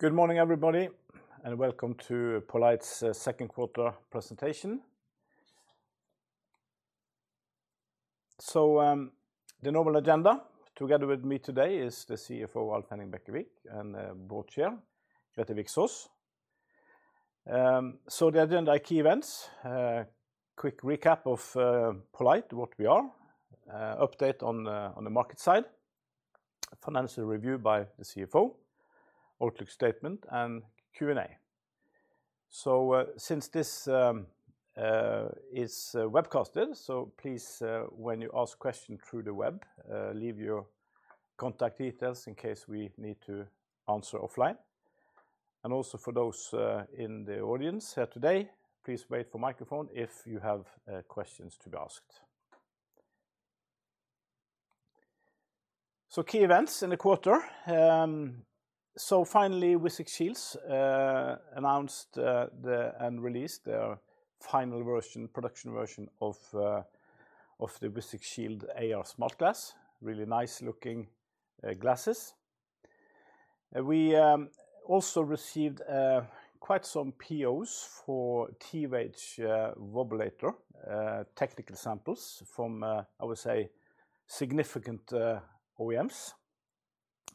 Good morning, everybody, and welcome to poLight's second quarter presentation. So, the normal agenda, together with me today is the CFO, Alf Henning Bekkevik, and, Board Chair, Grethe Viksaas. So the agenda, key events, quick recap of, poLight, what we are, update on the market side, financial review by the CFO, outlook statement, and Q&A. So, since this is webcasted, so please, when you ask question through the web, leave your contact details in case we need to answer offline. And also for those in the audience here today, please wait for microphone if you have questions to be asked. So key events in the quarter. Finally, Vuzix announced the and released their final version, production version of the Vuzix Shield AR smart glass. Really nice-looking glasses. We also received quite some POs for TWedge wobulator technical samples from, I would say, significant OEMs,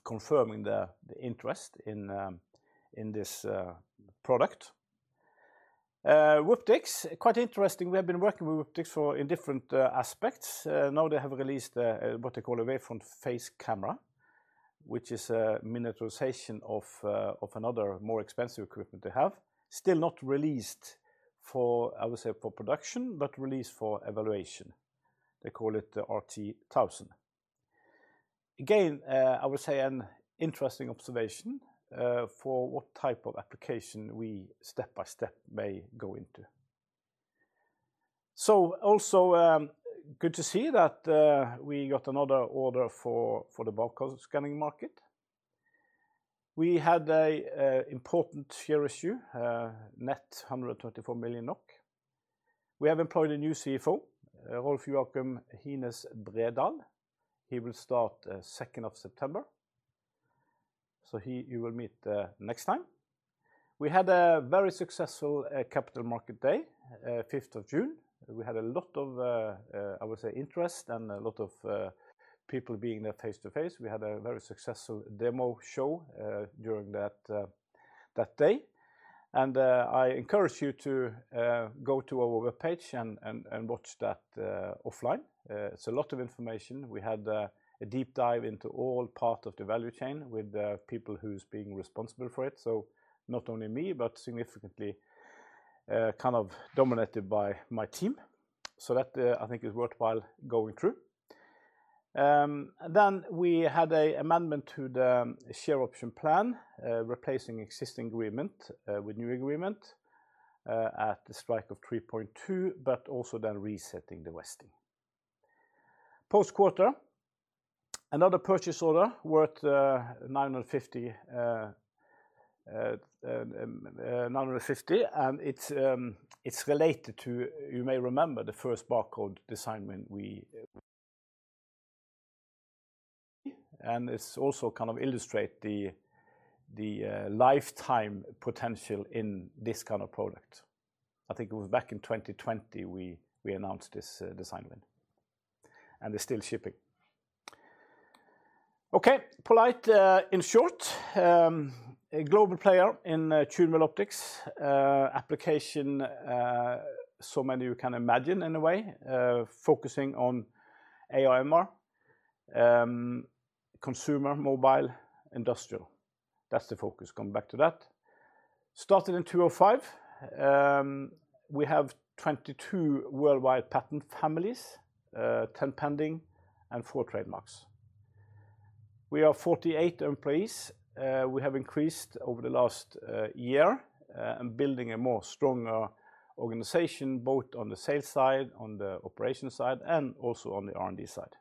confirming the interest in this product. Wooptix, quite interesting. We have been working with Wooptix for in different aspects. Now they have released what they call a wavefront phase camera, which is a miniaturization of another more expensive equipment they have. Still not released for, I would say, for production, but released for evaluation. They call it the RT1000. Again, I would say an interesting observation for what type of application we step by step may go into. So also good to see that we got another order for the barcode scanning market. We had an important share issue, net 134 million NOK. We have employed a new CFO, Rolf Joakim Hines Bredahl. He will start, 2nd of September, so he you will meet, next time. We had a very successful, Capital Markets Day, 5th of June. We had a lot of, I would say, interest and a lot of, people being there face to face. We had a very successful demo show, during that day. I encourage you to go to our webpage and watch that offline. It's a lot of information. We had a deep dive into all part of the value chain with the people who's been responsible for it. So not only me, but significantly, kind of dominated by my team. So that, I think is worthwhile going through. Then we had an amendment to the share option plan, replacing existing agreement with new agreement at the strike of 3.2, but also then resetting the vesting. Post-quarter, another purchase order worth 950, and it's related to, you may remember, the first barcode design win we. And it's also kind of illustrate the lifetime potential in this kind of product. I think it was back in 2020 we announced this design win, and they're still shipping. Okay, poLight, in short, a global player in tunable optics applications, so many you can imagine in a way, focusing on AR/MR, consumer, mobile, industrial. That's the focus. Coming back to that. Started in 2005. We have 22 worldwide patent families, 10 pending, and four trademarks. We are 48 employees. We have increased over the last year, and building a more stronger organization, both on the sales side, on the operations side, and also on the R&D side.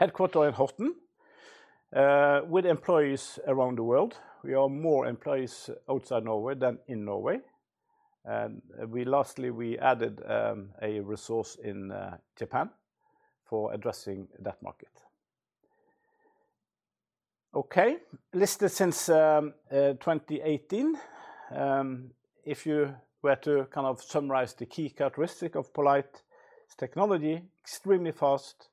Headquartered in Horten, with employees around the world. We are more employees outside Norway than in Norway, and lastly we added a resource in Japan for addressing that market. Okay, listed since 2018. If you were to kind of summarize the key characteristic of poLight's technology, extremely fast,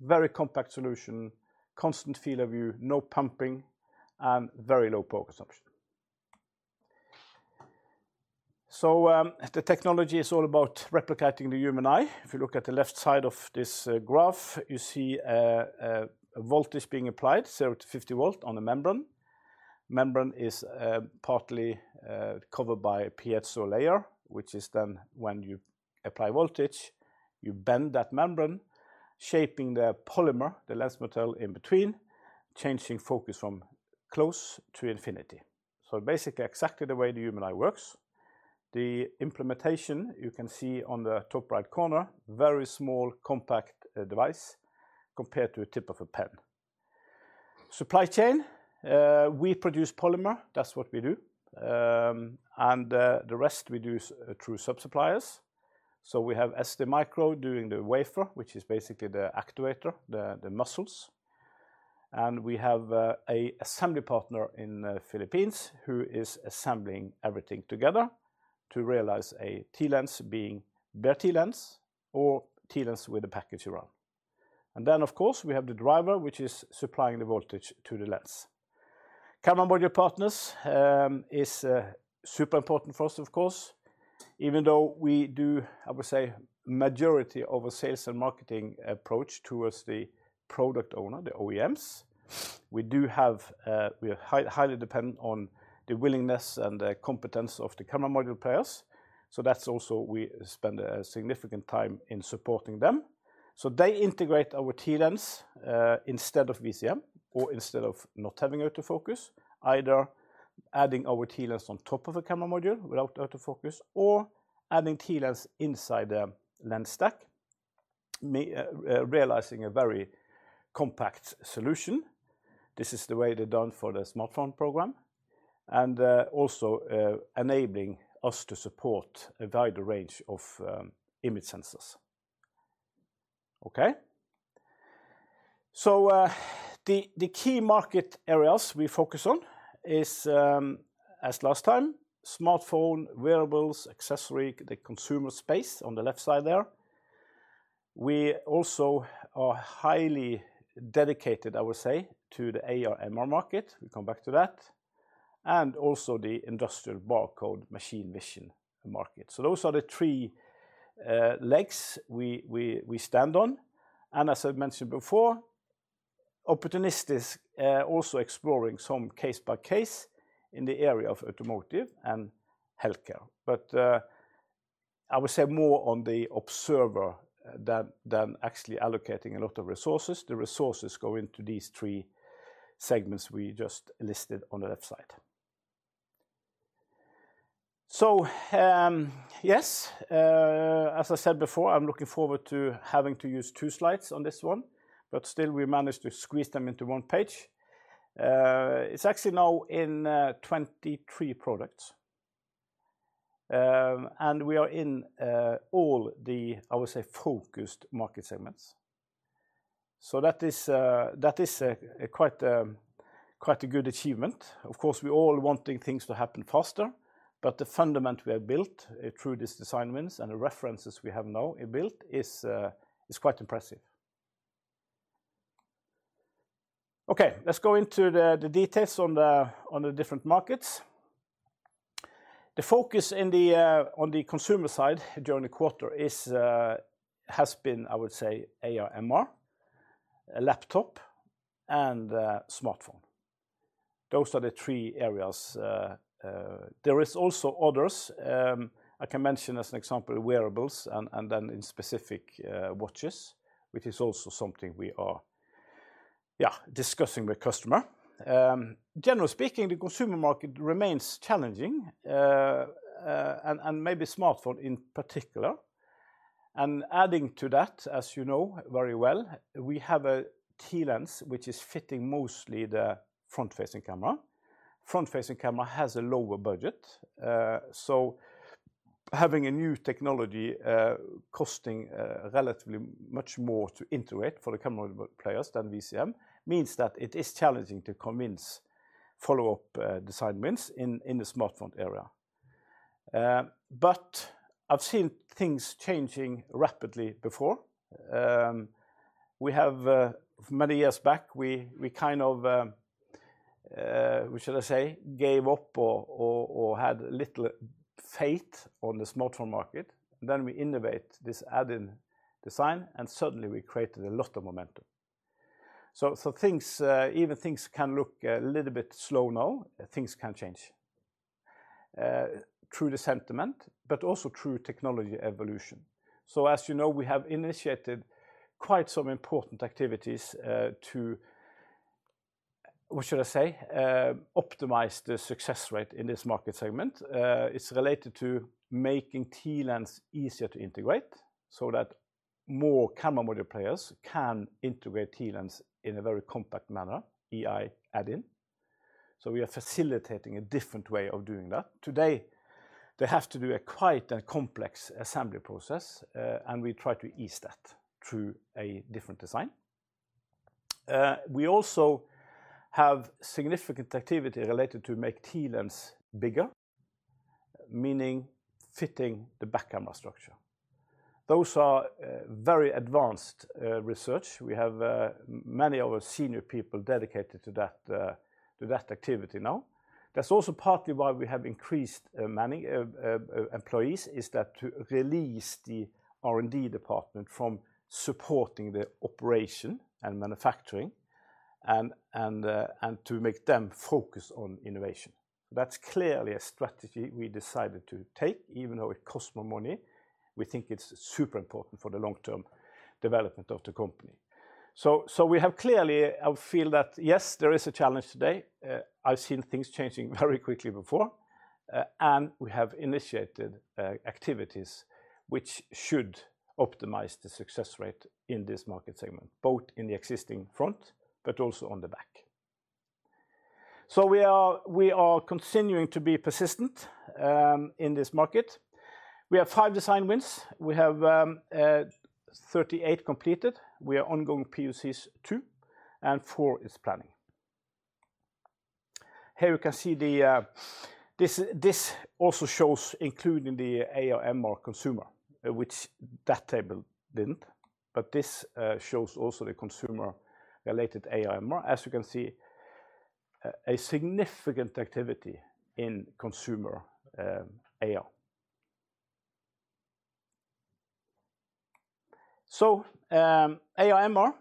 very compact solution, constant field of view, no pumping, and very low power consumption. So, the technology is all about replicating the human eye. If you look at the left side of this graph, you see a voltage being applied, 0 V-50 V on a membrane. Membrane is partly covered by piezo layer, which is then when you apply voltage, you bend that membrane, shaping the polymer, the lens material in between, changing focus from close to infinity. So basically, exactly the way the human eye works. The implementation, you can see on the top right corner, very small, compact device compared to a tip of a pen. Supply chain, we produce polymer. That's what we do. And the rest we do through sub-suppliers. So we have STMicro doing the wafer, which is basically the actuator, the muscles. And we have an assembly partner in Philippines who is assembling everything together to realize a TLens being bare TLens or TLens with a package around. And then, of course, we have the driver, which is supplying the voltage to the lens. Camera module partners is super important for us, of course. Even though we do, I would say, majority of our sales and marketing approach towards the product owner, the OEMs, we do have we are highly dependent on the willingness and the competence of the camera module players. So that's also we spend a significant time in supporting them. So they integrate our TLens instead of VCM or instead of not having autofocus, either adding our TLens on top of a camera module without autofocus or adding TLens inside a lens stack, realizing a very compact solution. This is the way they've done for the smartphone program, and also enabling us to support a wider range of image sensors. Okay? So, the key market areas we focus on is, as last time, smartphone, wearables, accessory, the consumer space on the left side there. We also are highly dedicated, I would say, to the AR/MR market. We come back to that. And also the industrial barcode machine vision market. So those are the three legs we stand on, and as I've mentioned before, opportunistic, also exploring some case-by-case in the area of automotive and healthcare. But, I would say more on the observer than actually allocating a lot of resources. The resources go into these three segments we just listed on the left side. So, yes, as I said before, I'm looking forward to having to use two slides on this one, but still we managed to squeeze them into one page. It's actually now in 23 products. And we are in all the, I would say, focused market segments. So that is a quite quite a good achievement. Of course, we all wanting things to happen faster, but the fundament we have built through this design wins and the references we have now built is, is quite impressive. Okay, let's go into the details on the different markets. The focus in the on the consumer side during the quarter is has been, I would say, AR/MR, laptop, and smartphone. Those are the three areas. There is also others I can mention as an example, wearables and then in specific, watches, which is also something we are, yeah, discussing with customer. Generally speaking, the consumer market remains challenging, and maybe smartphone in particular. And adding to that, as you know very well, we have a TLens which is fitting mostly the front-facing camera. Front-facing camera has a lower budget, so having a new technology, costing relatively much more to integrate for the camera module players than VCM, means that it is challenging to convince follow-up design wins in the smartphone area. But I've seen things changing rapidly before. We have, many years back, we kind of, what should I say, gave up or had little faith on the smartphone market. Then we innovate this add-in design, and suddenly we created a lot of momentum. Even things can look a little bit slow now. Things can change through the sentiment, but also through technology evolution. So as you know, we have initiated quite some important activities to optimize the success rate in this market segment. It's related to making TLens easier to integrate so that more camera module players can integrate TLens in a very compact manner, i.e., add-in. So we are facilitating a different way of doing that. Today, they have to do quite a complex assembly process, and we try to ease that through a different design. We also have significant activity related to make TLens bigger, meaning fitting the back camera structure. Those are very advanced research. We have many of our senior people dedicated to that, to that activity now. That's also partly why we have increased many employees, is that to release the R&D department from supporting the operation and manufacturing, and to make them focus on innovation. That's clearly a strategy we decided to take, even though it costs more money. We think it's super important for the long-term development of the company. So we have clearly, I feel that, yes, there is a challenge today. I've seen things changing very quickly before, and we have initiated activities which should optimize the success rate in this market segment, both in the existing front, but also on the back. So we are continuing to be persistent in this market. We have five design wins. We have 38 completed. We are ongoing POCs two, and four is planning. Here you can see this also shows including the AR/MR consumer, which that table didn't, but this shows also the consumer-related AR/MR. As you can see, a significant activity in consumer AR. So, AR/MR,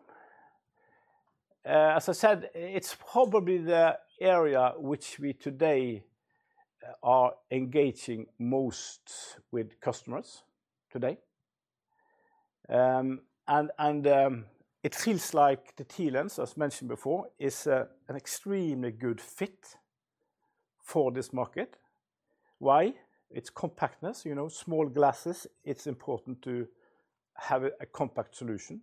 as I said, it's probably the area which we today are engaging most with customers today. And it feels like the TLens, as mentioned before, is an extremely good fit for this market. Why? It's compactness, you know, small glasses, it's important to have a compact solution.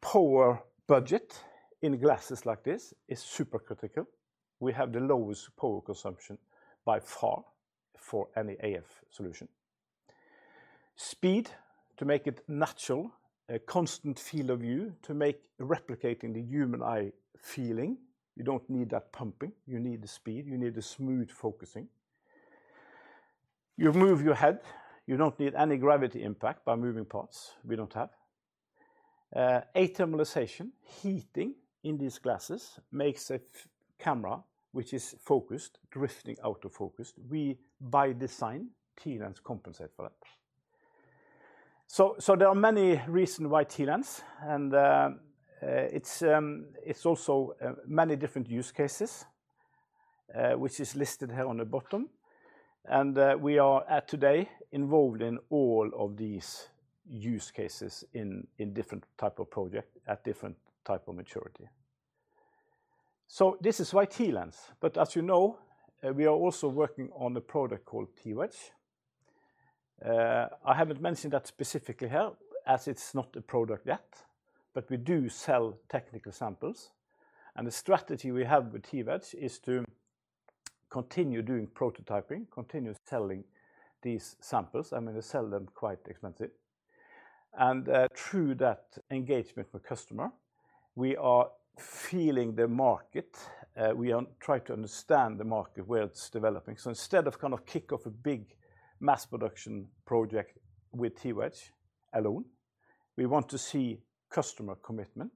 Power budget in glasses like this is super critical. We have the lowest power consumption by far for any AF solution. Speed to make it natural, a constant field of view to make replicating the human eye feeling. You don't need that pumping, you need the speed, you need the smooth focusing. You move your head, you don't need any gravity impact by moving parts we don't have. A thermalization, heating in these glasses makes a camera which is focused, drifting out of focus. We, by design, TLens compensate for that. So there are many reason why TLens, and it's also many different use cases, which is listed here on the bottom. And we are at today involved in all of these use cases in different type of project at different type of maturity. So this is why TLens, but as you know, we are also working on a product called TWedge. I haven't mentioned that specifically here, as it's not a product yet, but we do sell technical samples, and the strategy we have with TWedge is to continue doing prototyping, continue selling these samples, and we sell them quite expensive. And, through that engagement with customer, we are feeling the market, we are try to understand the market, where it's developing. So instead of kind of kick off a big mass production project with TWedge alone, we want to see customer commitment,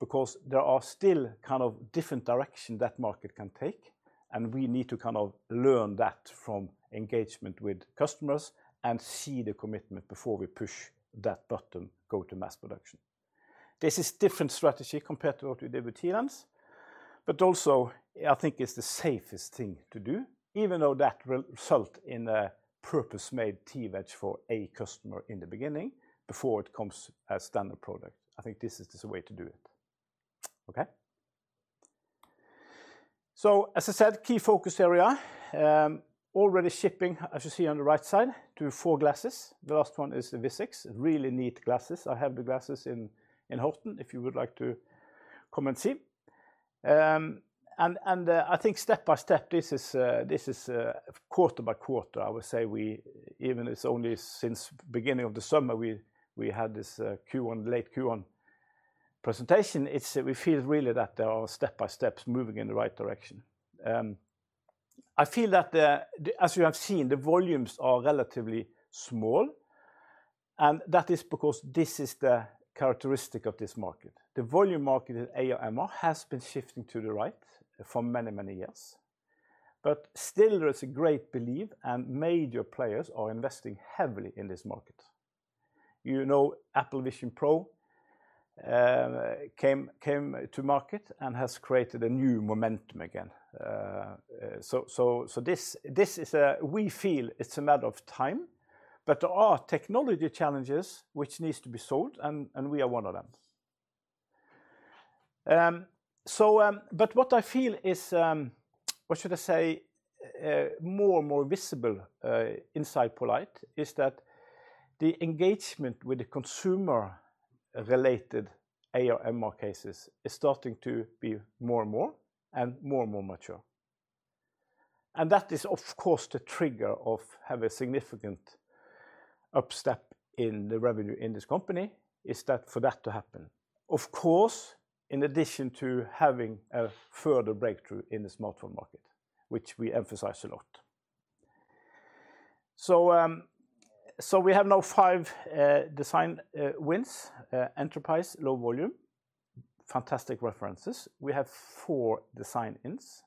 because there are still kind of different direction that market can take, and we need to kind of learn that from engagement with customers and see the commitment before we push that button, go to mass production. This is different strategy compared to what we did with TLens, but also, I think it's the safest thing to do, even though that will result in a purpose-made TWedge for a customer in the beginning, before it comes as standard product. I think this is the way to do it. Okay? So, as I said, key focus area, already shipping, as you see on the right side, to four glasses. The last one is the Vuzix. Really neat glasses. I have the glasses in Horten, if you would like to come and see. And I think step by step, this is quarter by quarter, I would say we even it's only since beginning of the summer, we had this late Q1 presentation, it's we feel really that there are step by steps moving in the right direction. I feel that, as you have seen, the volumes are relatively small, and that is because this is the characteristic of this market. The volume market in AR/MR has been shifting to the right for many, many years. But still there is a great belief, and major players are investing heavily in this market. You know, Apple Vision Pro came to market and has created a new momentum again. So this is a—we feel it's a matter of time, but there are technology challenges which needs to be solved, and we are one of them. But what I feel is, what should I say? More and more visible inside poLight is that the engagement with the consumer-related AR/MR cases is starting to be more and more, and more and more mature. And that is, of course, the trigger of have a significant upstep in the revenue in this company, is that for that to happen. Of course, in addition to having a further breakthrough in the smartphone market, which we emphasize a lot. So we have now five, design wins, enterprise, low volume, fantastic references. We have four design wins.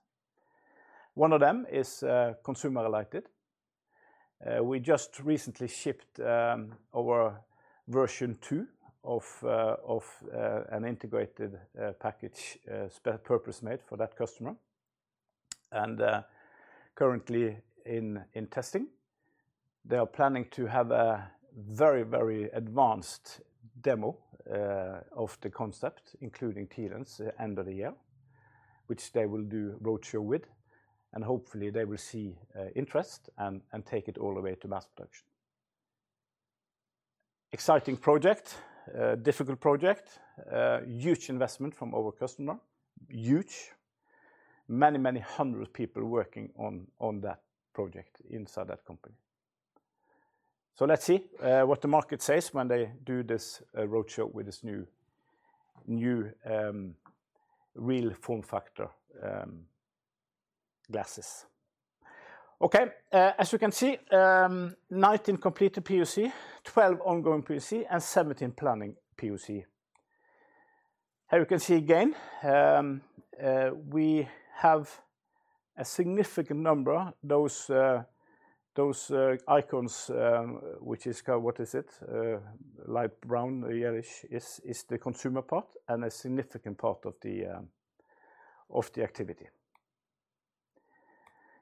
One of them is consumer-related. We just recently shipped our Version 2 of an integrated package purpose-made for that customer, and currently in testing. They are planning to have a very, very advanced demo of the concept, including TLens, end of the year, which they will do roadshow with, and hopefully they will see interest and take it all the way to mass production. Exciting project, a difficult project, a huge investment from our customer. Huge. Many, many hundred people working on that project inside that company. So let's see what the market says when they do this roadshow with this new, new, real form factor glasses. Okay, as you can see, 19 completed POC, 12 ongoing POC, and 17 planning POC. Here you can see again, we have a significant number, those icons, which is kind-- what is it? Light brown or yellowish is the consumer part and a significant part of the activity.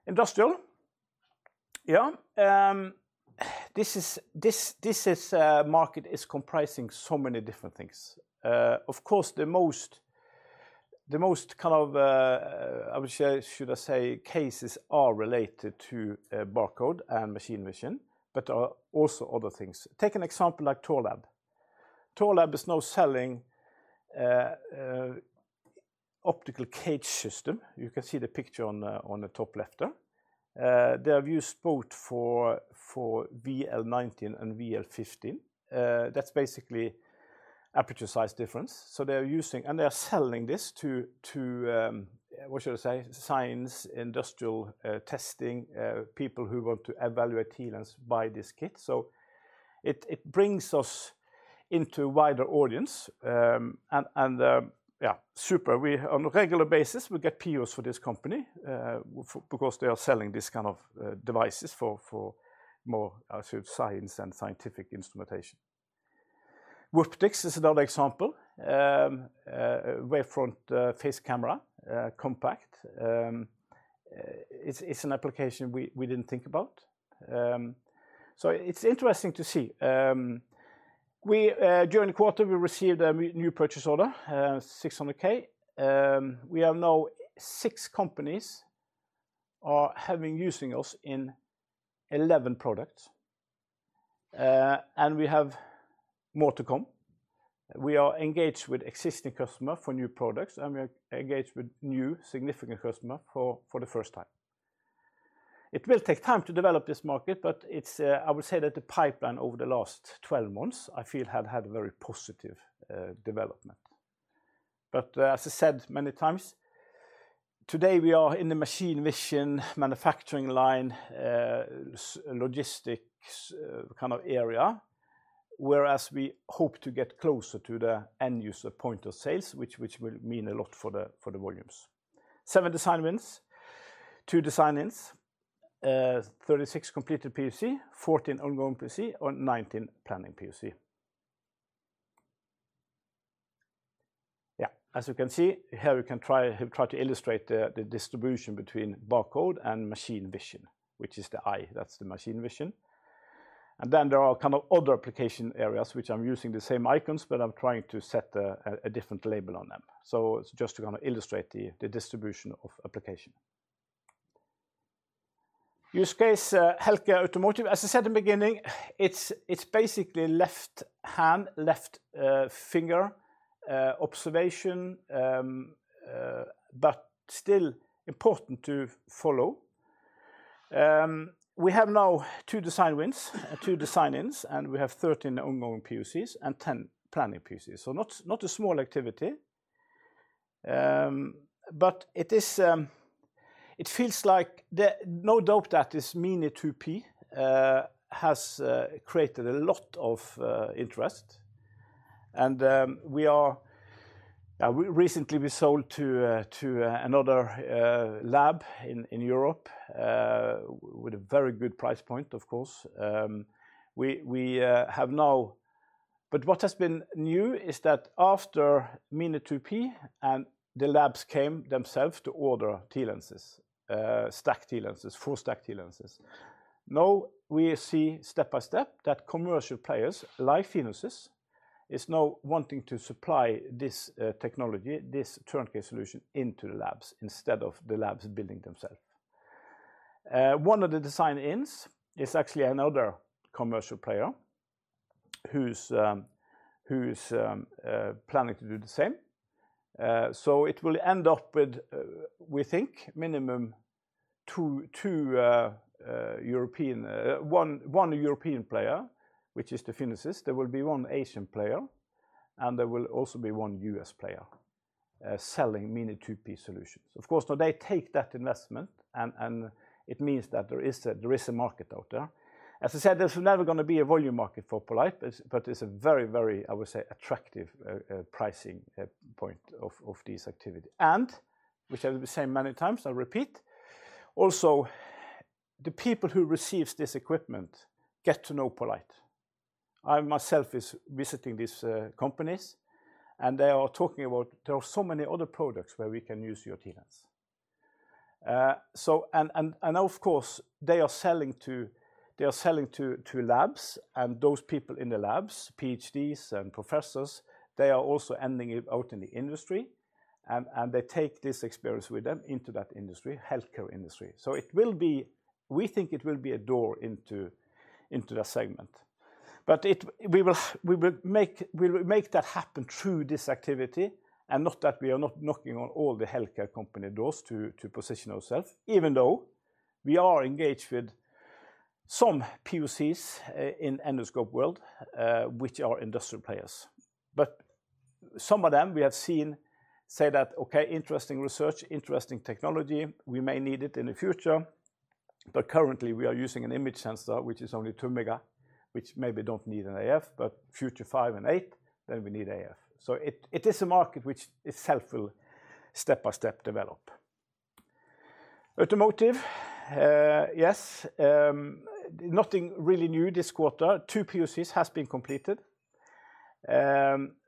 Industrial. Yeah, this is market is comprising so many different things. Of course, the most kind of, I would say, cases are related to barcode and machine vision, but are also other things. Take an example like Thorlabs. Thorlabs is now selling optical cage system. You can see the picture on the top left there. They are used both for VL 19 and VL 15. That's basically aperture size difference. So they are using, and they are selling this to what should I say? Science, industrial, testing people who want to evaluate lenses buy this kit. So it brings us into wider audience, and yeah, super. We on a regular basis get POs for this company because they are selling these kind of devices for more, I should say science and scientific instrumentation. Wooptix is another example. Wavefront phase camera, compact. It's an application we didn't think about. So it's interesting to see. During the quarter, we received a new purchase order, 600,000. We have now six companies are having using us in 11 products, and we have more to come. We are engaged with existing customer for new products, and we are engaged with new significant customer for the first time. It will take time to develop this market, but it's, I would say that the pipeline over the last 12 months, I feel have had a very positive development. But as I said many times, today, we are in the machine vision, manufacturing line, logistics, kind of area, whereas we hope to get closer to the end user point of sales, which, which will mean a lot for the, for the volumes. Seven design wins, two design-ins, 36 completed POC, 14 ongoing POC, and 19 planning POC. Yeah, as you can see, here we can try to illustrate the distribution between barcode and machine vision, which is the eye, that's the machine vision. And then there are kind of other application areas, which I'm using the same icons, but I'm trying to set a different label on them. So it's just to kind of illustrate the distribution of application. Use case, healthcare, automotive. As I said in the beginning, it's, it's basically left hand, left, finger, observation, but still important to follow. We have now two design wins, two design-ins, and we have 13 ongoing POCs and 10 planning POCs. So not, not a small activity. But it is, it feels like the, no doubt that this Mini2P has created a lot of interest. And, we are... Yeah, we recently we sold to, to, another, lab in, in Europe, with a very good price point, of course. We, we, have now, but what has been new is that after Mini2P and the labs came themselves to order TLenses, stack TLenses, four stack TLenses. Now, we see step by step that commercial players, like PhenoSys, is now wanting to supply this, technology, this turnkey solution into the labs, instead of the labs building themselves. One of the design-ins is actually another commercial player who's planning to do the same. So it will end up with, we think, minimum two European, one European player, which is the PhenoSys. There will be one Asian player, and there will also be one U.S. player, selling Mini2P solutions. Of course, now they take that investment, and it means that there is a market out there. As I said, there's never gonna be a volume market for poLight, but it's a very, very, I would say, attractive, pricing point of this activity. Which I will say many times, I repeat, also, the people who receives this equipment get to know poLight. I myself is visiting these companies, and they are talking about there are so many other products where we can use your TLenses. So and of course, they are selling to labs, and those people in the labs, PhDs and professors, they are also ending it out in the industry and they take this experience with them into that industry, healthcare industry. So it will be, we think it will be a door into that segment. But we will make that happen through this activity, and not that we are not knocking on all the healthcare company doors to position ourselves, even though we are engaged with some POCs in endoscope world, which are industrial players. But some of them we have seen say that, "Okay, interesting research, interesting technology. We may need it in the future, but currently we are using an image sensor, which is only 2 mega, which maybe don't need an AF, but future 5 and 8, then we need AF." So it is a market which itself will step by step develop. Automotive, yes, nothing really new this quarter. Two POCs has been completed.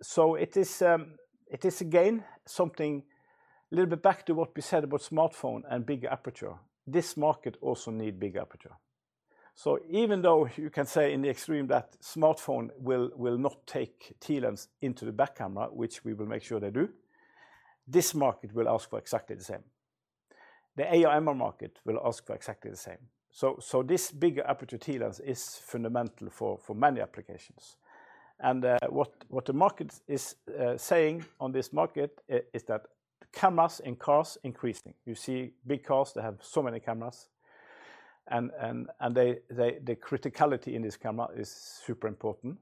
So it is again something a little bit back to what we said about smartphone and big aperture. This market also need big aperture. So even though you can say in the extreme that smartphone will, will not take TLens into the back camera, which we will make sure they do, this market will ask for exactly the same. The AR/MR market will ask for exactly the same. So, so this bigger aperture TLens is fundamental for, for many applications. And, what, what the market is, saying on this market is that cameras in cars increasing. You see big cars that have so many cameras, and, and, and they, they... the criticality in this camera is super important,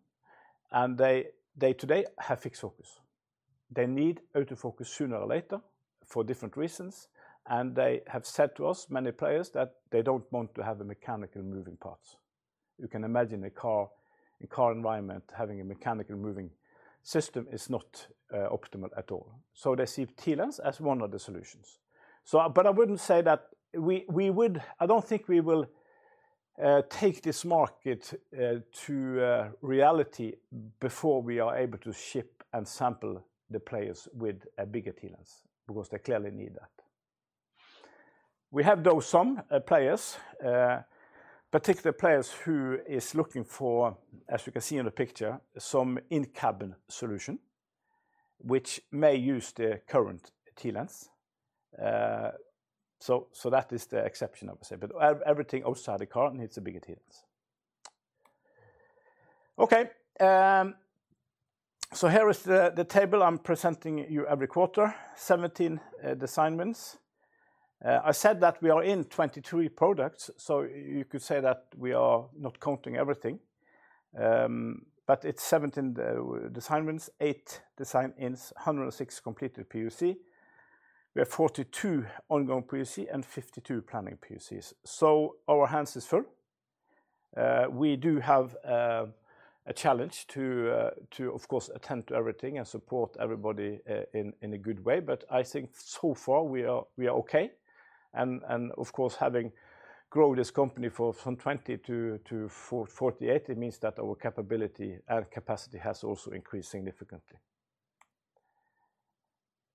and they, they today have fixed focus. They need autofocus sooner or later for different reasons, and they have said to us, many players, that they don't want to have the mechanical moving parts. You can imagine a car, in-car environment, having a mechanical moving system is not optimal at all. So they see TLens as one of the solutions. So but I wouldn't say that we, we would. I don't think we will take this market to reality before we are able to ship and sample the players with a bigger TLens, because they clearly need that. We have, though, some players, particular players who is looking for, as you can see in the picture, some in-cabin solution, which may use the current TLens. So that is the exception, obviously, but everything outside the car needs a bigger TLens. Okay, so here is the table I'm presenting you every quarter, 17 design wins. I said that we are in 23 products, so you could say that we are not counting everything. But it's 17 design wins, eight design in, 106 completed POC. We have 42 ongoing POC and 52 planning POCs. So our hands is full. We do have a challenge to, of course, attend to everything and support everybody in a good way, but I think so far we are okay. And of course, having grown this company from 20 to 48, it means that our capability and capacity has also increased significantly.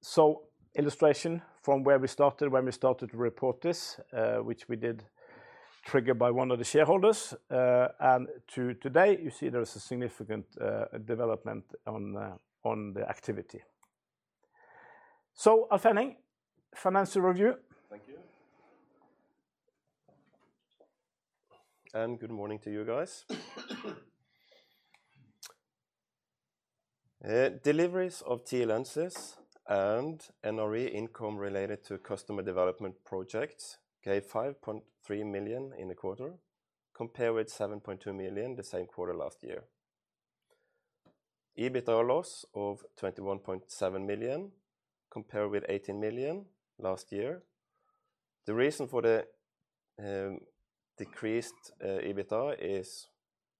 So, illustration from where we started, when we started to report this, which we did, triggered by one of the shareholders, and to today, you see there is a significant development on the activity. So, Alf Henning, financial review. Thank you. And good morning to you guys. Deliveries of TLenses and NRE income related to customer development projects gave 5.3 million in the quarter, compared with 7.2 million the same quarter last year. EBITDA loss of 21.7 million, compared with 18 million last year. The reason for the decreased EBITDA is,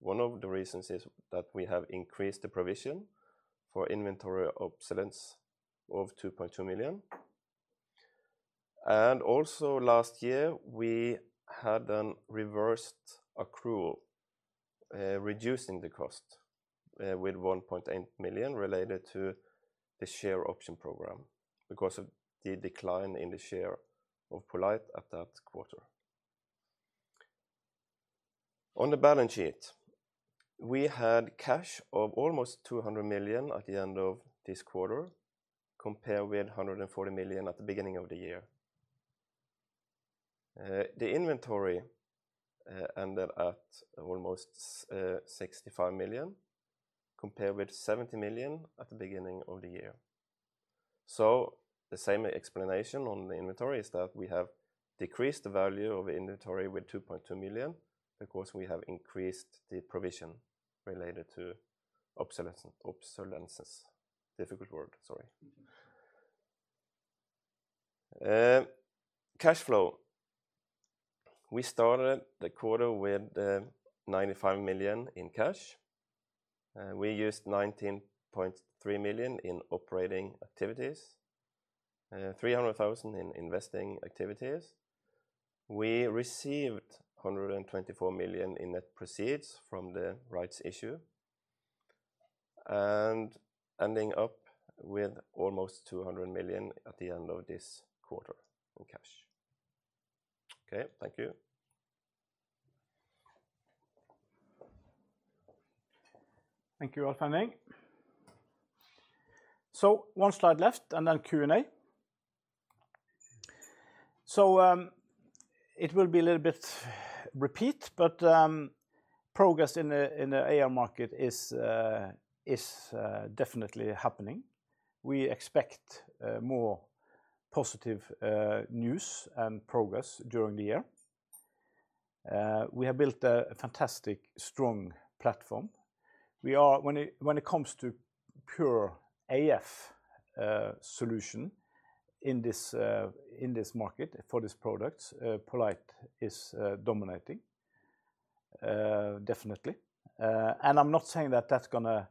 one of the reasons is that we have increased the provision for inventory obsolescence of 2.2 million. And also last year, we had then reversed accrual, reducing the cost with 1.8 million related to the share option program because of the decline in the share of poLight at that quarter. On the balance sheet, we had cash of almost 200 million at the end of this quarter, compared with 140 million at the beginning of the year. The inventory ended at almost 65 million, compared with 70 million at the beginning of the year. So the same explanation on the inventory is that we have decreased the value of inventory with 2.2 million because we have increased the provision related to obsolescence. Difficult word, sorry. Cash flow. We started the quarter with 95 million in cash, and we used 19.3 million in operating activities, 300,000 in investing activities. We received 124 million in net proceeds from the rights issue, and ending up with almost 200 million at the end of this quarter in cash. Okay, thank you. Thank you, Alf Henning. So one slide left and then Q&A. So, it will be a little bit repeat, but progress in the AR market is definitely happening. We expect more positive news and progress during the year. We have built a fantastic, strong platform. We are, when it comes to pure AF solution in this market for this product, poLight is dominating definitely. And I'm not saying that that's gonna.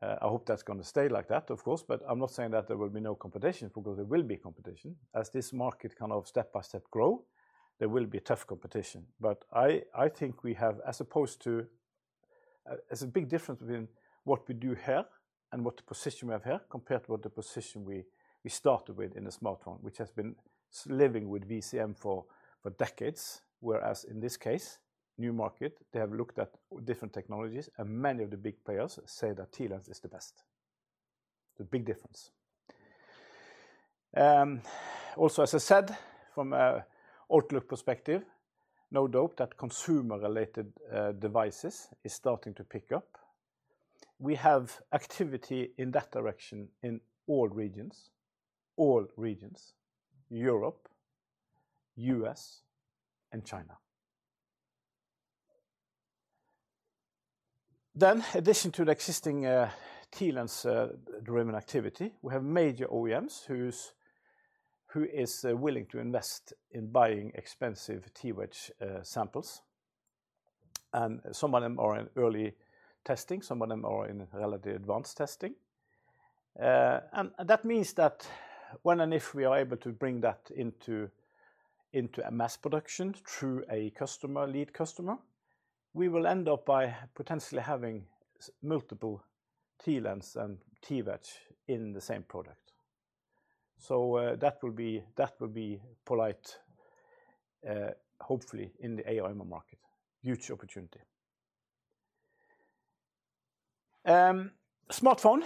I hope that's gonna stay like that, of course, but I'm not saying that there will be no competition, because there will be competition. As this market kind of step by step grow, there will be tough competition. But I think we have, as opposed to, there's a big difference between what we do here and what the position we have here, compared to what the position we started with in the smartphone, which has been living with VCM for decades. Whereas in this case, new market, they have looked at different technologies, and many of the big players say that TLens is the best. The big difference. Also, as I said, from an outlook perspective, no doubt that consumer-related devices is starting to pick up. We have activity in that direction in all regions, all regions, Europe, U.S., and China. In addition to the existing TLens-driven activity, we have major OEMs who are willing to invest in buying expensive TWedge samples, and some of them are in early testing, some of them are in relatively advanced testing. And that means that when and if we are able to bring that into mass production through a customer-led customer, we will end up by potentially having multiple TLens and TWedge in the same product. So, that will be poLight, hopefully in the AR/MR market. Huge opportunity. Smartphone,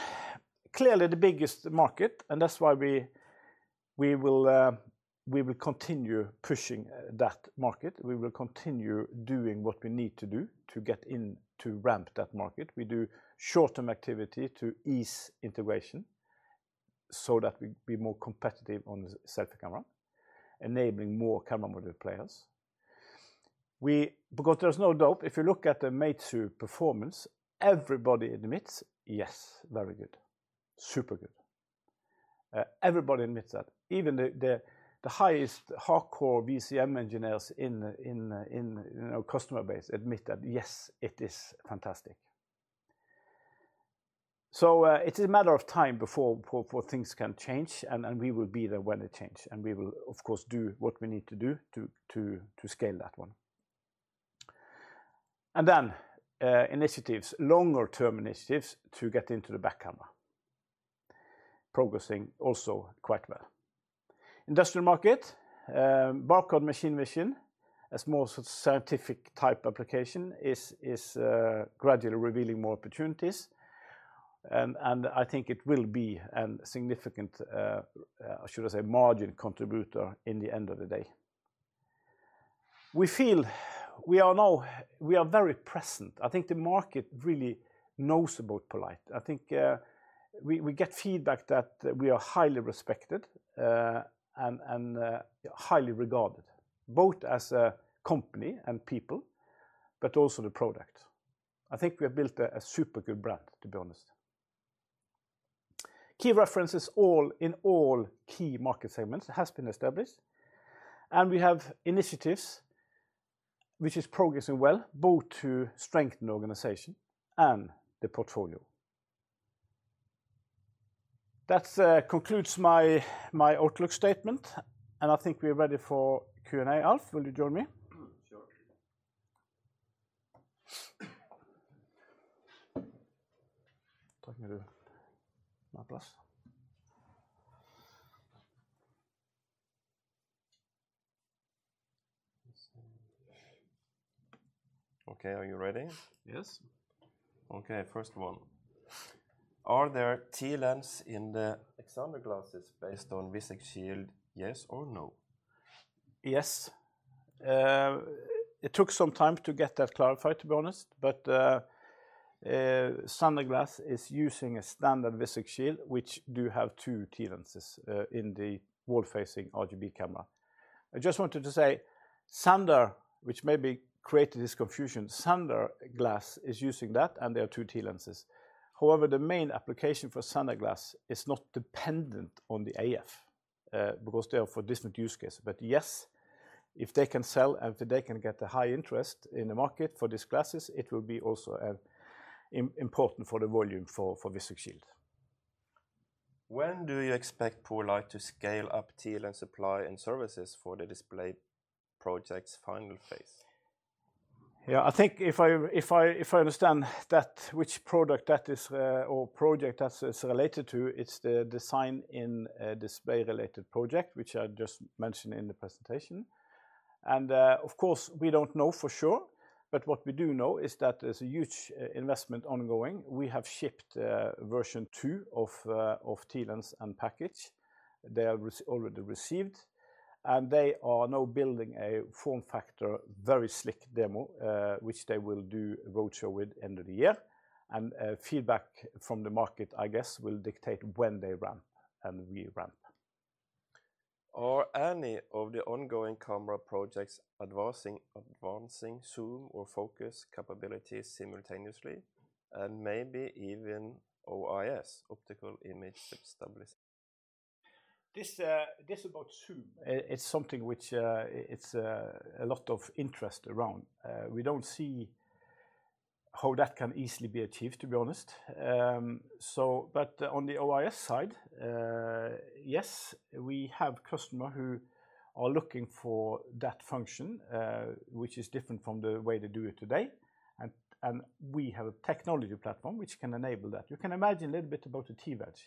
clearly the biggest market, and that's why we will continue pushing that market. We will continue doing what we need to do to get into ramp that market. We do short-term activity to ease integration so that we be more competitive on the selfie camera, enabling more camera module players. We, because there's no doubt, if you look at the Meizu performance, everybody admits, yes, very good. Super good. Everybody admits that, even the highest hardcore VCM engineers in our customer base admit that, yes, it is fantastic. So, it's a matter of time before things can change, and we will be there when they change, and we will, of course, do what we need to do to scale that one. And then, initiatives, longer-term initiatives to get into the back camera. Progressing also quite well. Industrial market, barcode machine vision, a small scientific type application, is gradually revealing more opportunities, and I think it will be a significant, should I say, margin contributor in the end of the day. We feel we are now very present. I think the market really knows about poLight. I think we get feedback that we are highly respected, and highly regarded, both as a company and people, but also the product. I think we have built a super good brand, to be honest. Key references all, in all key market segments has been established, and we have initiatives which is progressing well, both to strengthen the organization and the portfolio. That concludes my outlook statement, and I think we are ready for Q&A. Alf, will you join me? Mm, sure. Talking to my place. Okay, are you ready? Yes. Okay, first one: Are there TLens in the XanderGlasses based on Vuzix Shield, yes or no? Yes. It took some time to get that clarified, to be honest, but XanderGlasses is using a standard Vuzix Shield, which do have two TLenses in the world-facing RGB camera. I just wanted to say, Xander, which maybe created this confusion, XanderGlasses is using that, and there are two TLenses. However, the main application for XanderGlasses is not dependent on the AF because they are for different use case. But yes, if they can sell and if they can get a high interest in the market for these glasses, it will be also important for the volume for Vuzix Shield. When do you expect poLight to scale up TLens supply and services for the display project's final phase? Yeah, I think if I understand that which product that is or project that is related to, it's the design-in in a display-related project, which I just mentioned in the presentation... and, of course, we don't know for sure, but what we do know is that there's a huge investment ongoing. We have shipped Version 2 of TLens and package. They have already received, and they are now building a form factor, very slick demo, which they will do a roadshow with end of the year. And, feedback from the market, I guess, will dictate when they ramp and we ramp. Are any of the ongoing camera projects advancing, advancing zoom or focus capabilities simultaneously, and maybe even OIS, optical image stabilization? This, this about zoom, it's something which, it's, a lot of interest around. We don't see how that can easily be achieved, to be honest. So but on the OIS side, yes, we have customer who are looking for that function, which is different from the way they do it today, and, and we have a technology platform which can enable that. You can imagine a little bit about the TWedge.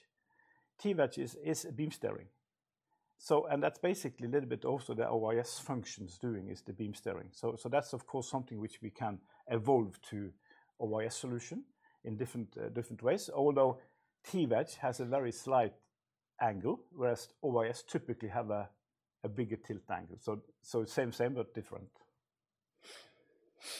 TWedge is a beam steering, so and that's basically a little bit also the OIS functions doing is the beam steering. So that's of course something which we can evolve to OIS solution in different, different ways. Although TWedge has a very slight angle, whereas OIS typically have a bigger tilt angle. So same, same, but different.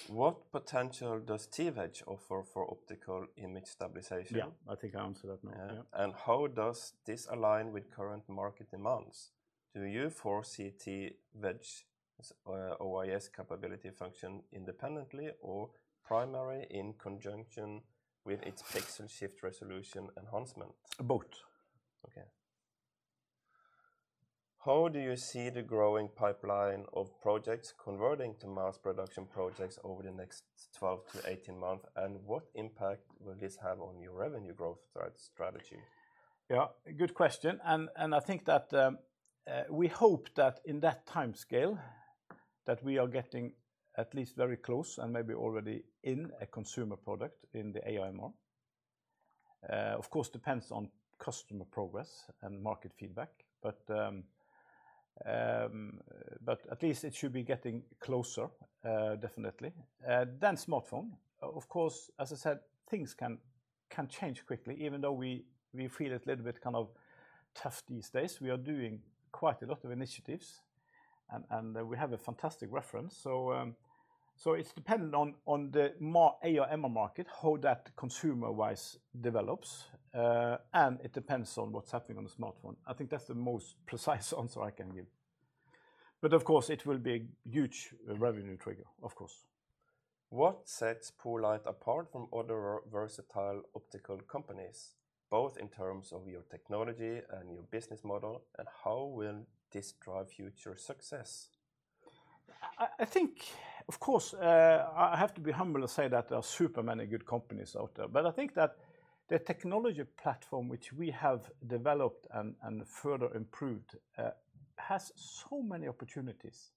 What potential does TWedge offer for optical image stabilization? Yeah, I think I answered that one. Yeah. How does this align with current market demands? Do you foresee TWedge's OIS capability function independently or primarily in conjunction with its pixel shift resolution enhancement? Both. Okay. How do you see the growing pipeline of projects converting to mass production projects over the next 12-18 months, and what impact will this have on your revenue growth strategy? Yeah, good question, and I think that we hope that in that timescale, that we are getting at least very close and maybe already in a consumer product in the AR/MR. Of course, depends on customer progress and market feedback, but at least it should be getting closer, definitely. Then smartphone, of course, as I said, things can change quickly, even though we feel it a little bit kind of tough these days. We are doing quite a lot of initiatives, and we have a fantastic reference. So it's dependent on the AR/MR market, how that consumer-wise develops, and it depends on what's happening on the smartphone. I think that's the most precise answer I can give. But of course, it will be a huge revenue trigger, of course. What sets poLight apart from other versatile optical companies, both in terms of your technology and your business model, and how will this drive future success? I think, of course, I have to be humble and say that there are super many good companies out there, but I think that the technology platform which we have developed and further improved has so many opportunities.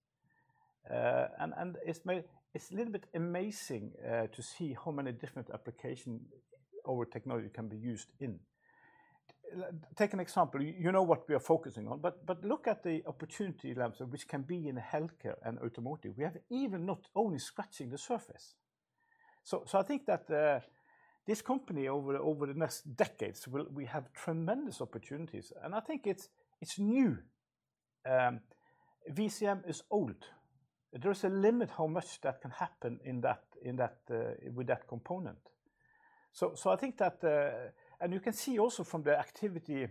And it's a little bit amazing to see how many different applications our technology can be used in. Take an example, you know what we are focusing on, but look at the opportunity levels of which can be in healthcare and automotive. We have even not only scratching the surface. So I think that this company over the next decades will have tremendous opportunities, and I think it's new. VCM is old. There is a limit how much that can happen in that with that component. So I think that... You can see also from the activity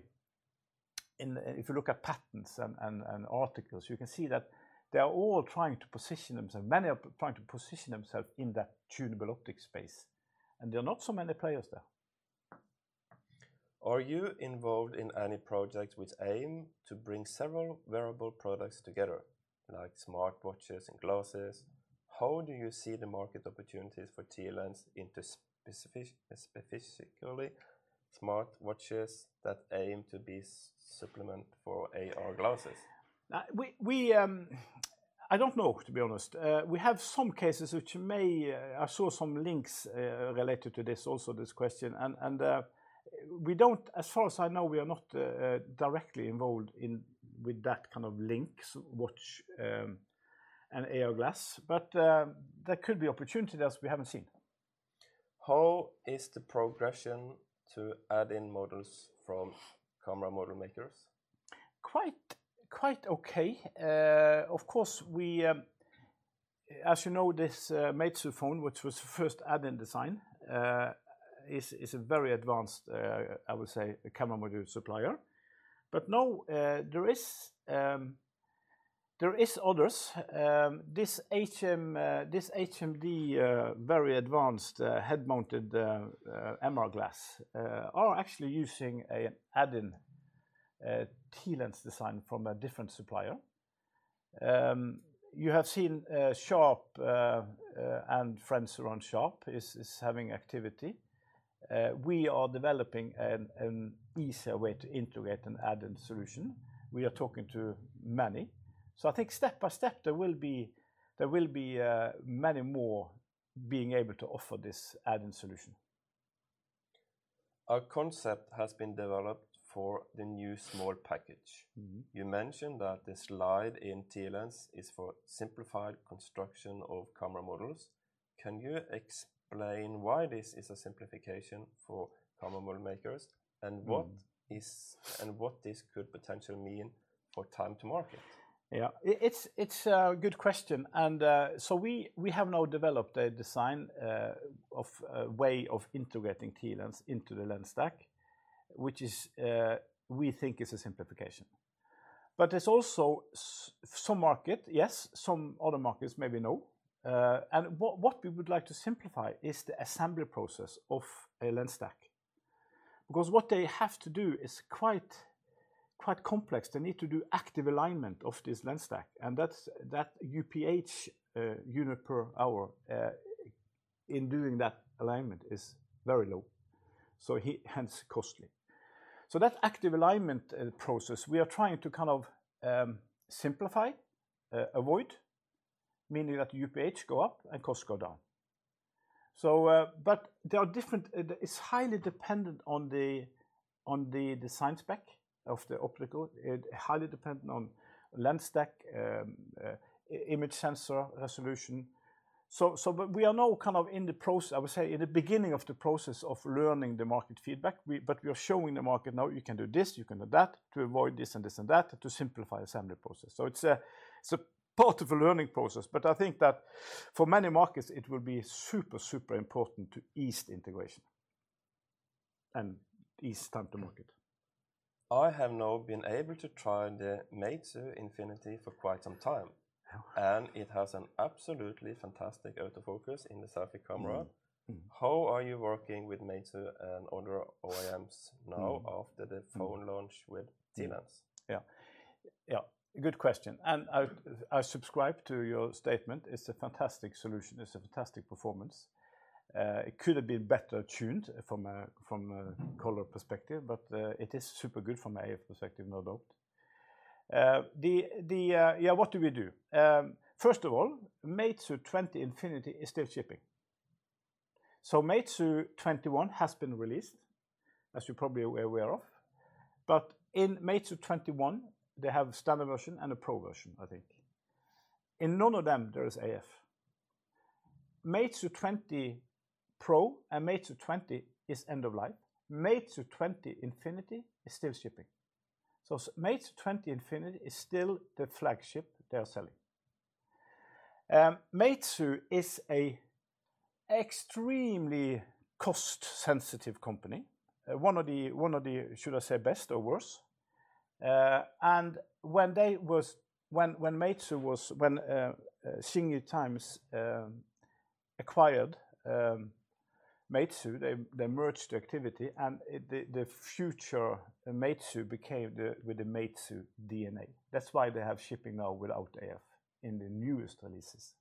in, if you look at patents and articles, you can see that they are all trying to position themselves. Many are trying to position themselves in that tunable optic space, and there are not so many players there. Are you involved in any projects which aim to bring several wearable products together, like smartwatches and glasses? How do you see the market opportunities for TLens into specifically smartwatches that aim to be supplement for AR glasses? Now, I don't know, to be honest. We have some cases which may... I saw some links related to this, also this question, and, as far as I know, we are not directly involved in, with that kind of lens, watch, and AR glass, but there could be opportunities we haven't seen. How is the progression to add-in modules from camera module makers? Quite, quite okay. Of course, we, as you know, this Meizu phone, which was the first add-in design, is a very advanced, I would say, camera module supplier. But no, there is others. This HMD, very advanced, head-mounted MR glasses, are actually using an add-in TLens design from a different supplier. You have seen, Sharp and friends around Sharp is having activity. We are developing an easier way to integrate an add-in solution. We are talking to many. So I think step by step, there will be many more being able to offer this add-in solution. A concept has been developed for the new small package. Mm-hmm. You mentioned that the slide in TLens is for simplified construction of camera modules. Can you explain why this is a simplification for camera module makers, and what is- Mm... and what this could potentially mean for time to market? Yeah, it's a good question, and so we have now developed a design of a way of integrating TLens into the lens stack, which we think is a simplification. But there's also some market, yes, some other markets, maybe no. And what we would like to simplify is the assembly process of a lens stack. Because what they have to do is quite complex. They need to do active alignment of this lens stack, and that UPH, unit per hour, in doing that alignment is very low, so hence costly. So that active alignment process, we are trying to kind of simplify, avoid, meaning that the UPH go up and costs go down. So, but there are different... It's highly dependent on the design spec of the optical. It's highly dependent on lens stack, image sensor resolution. So but we are now kind of in the process, I would say in the beginning of the process of learning the market feedback. But we are showing the market now you can do this, you can do that, to avoid this and this and that, to simplify assembly process. So it's a part of a learning process, but I think that for many markets it will be super, super important to ease the integration and ease time to market. I have now been able to try the Meizu Infinity for quite some time- Yeah. and it has an absolutely fantastic autofocus in the selfie camera. Mm, mm. How are you working with Meizu and other OEMs? Mm... now after the phone launch with TLens? Yeah. Yeah, good question, and I subscribe to your statement. It's a fantastic solution. It's a fantastic performance. It could have been better tuned from a, from a- Mm... color perspective, but it is super good from an AF perspective, no doubt. Yeah, what do we do? First of all, Meizu 20 Infinity is still shipping. So Meizu 21 has been released, as you probably are aware of, but in Meizu 21 they have a standard version and a pro version, I think. In none of them there is AF. Meizu 20 Pro and Meizu 20 is end of life. Meizu 20 Infinity is still shipping, so Meizu 20 Infinity is still the flagship they are selling. Meizu is a extremely cost-sensitive company, one of the, should I say, best or worst? And when Meizu 20 was, Xingji Times acquired Meizu, they merged the activity, and the future Meizu became the with the Meizu DNA. That's why they have shipping now without AF in the newest releases.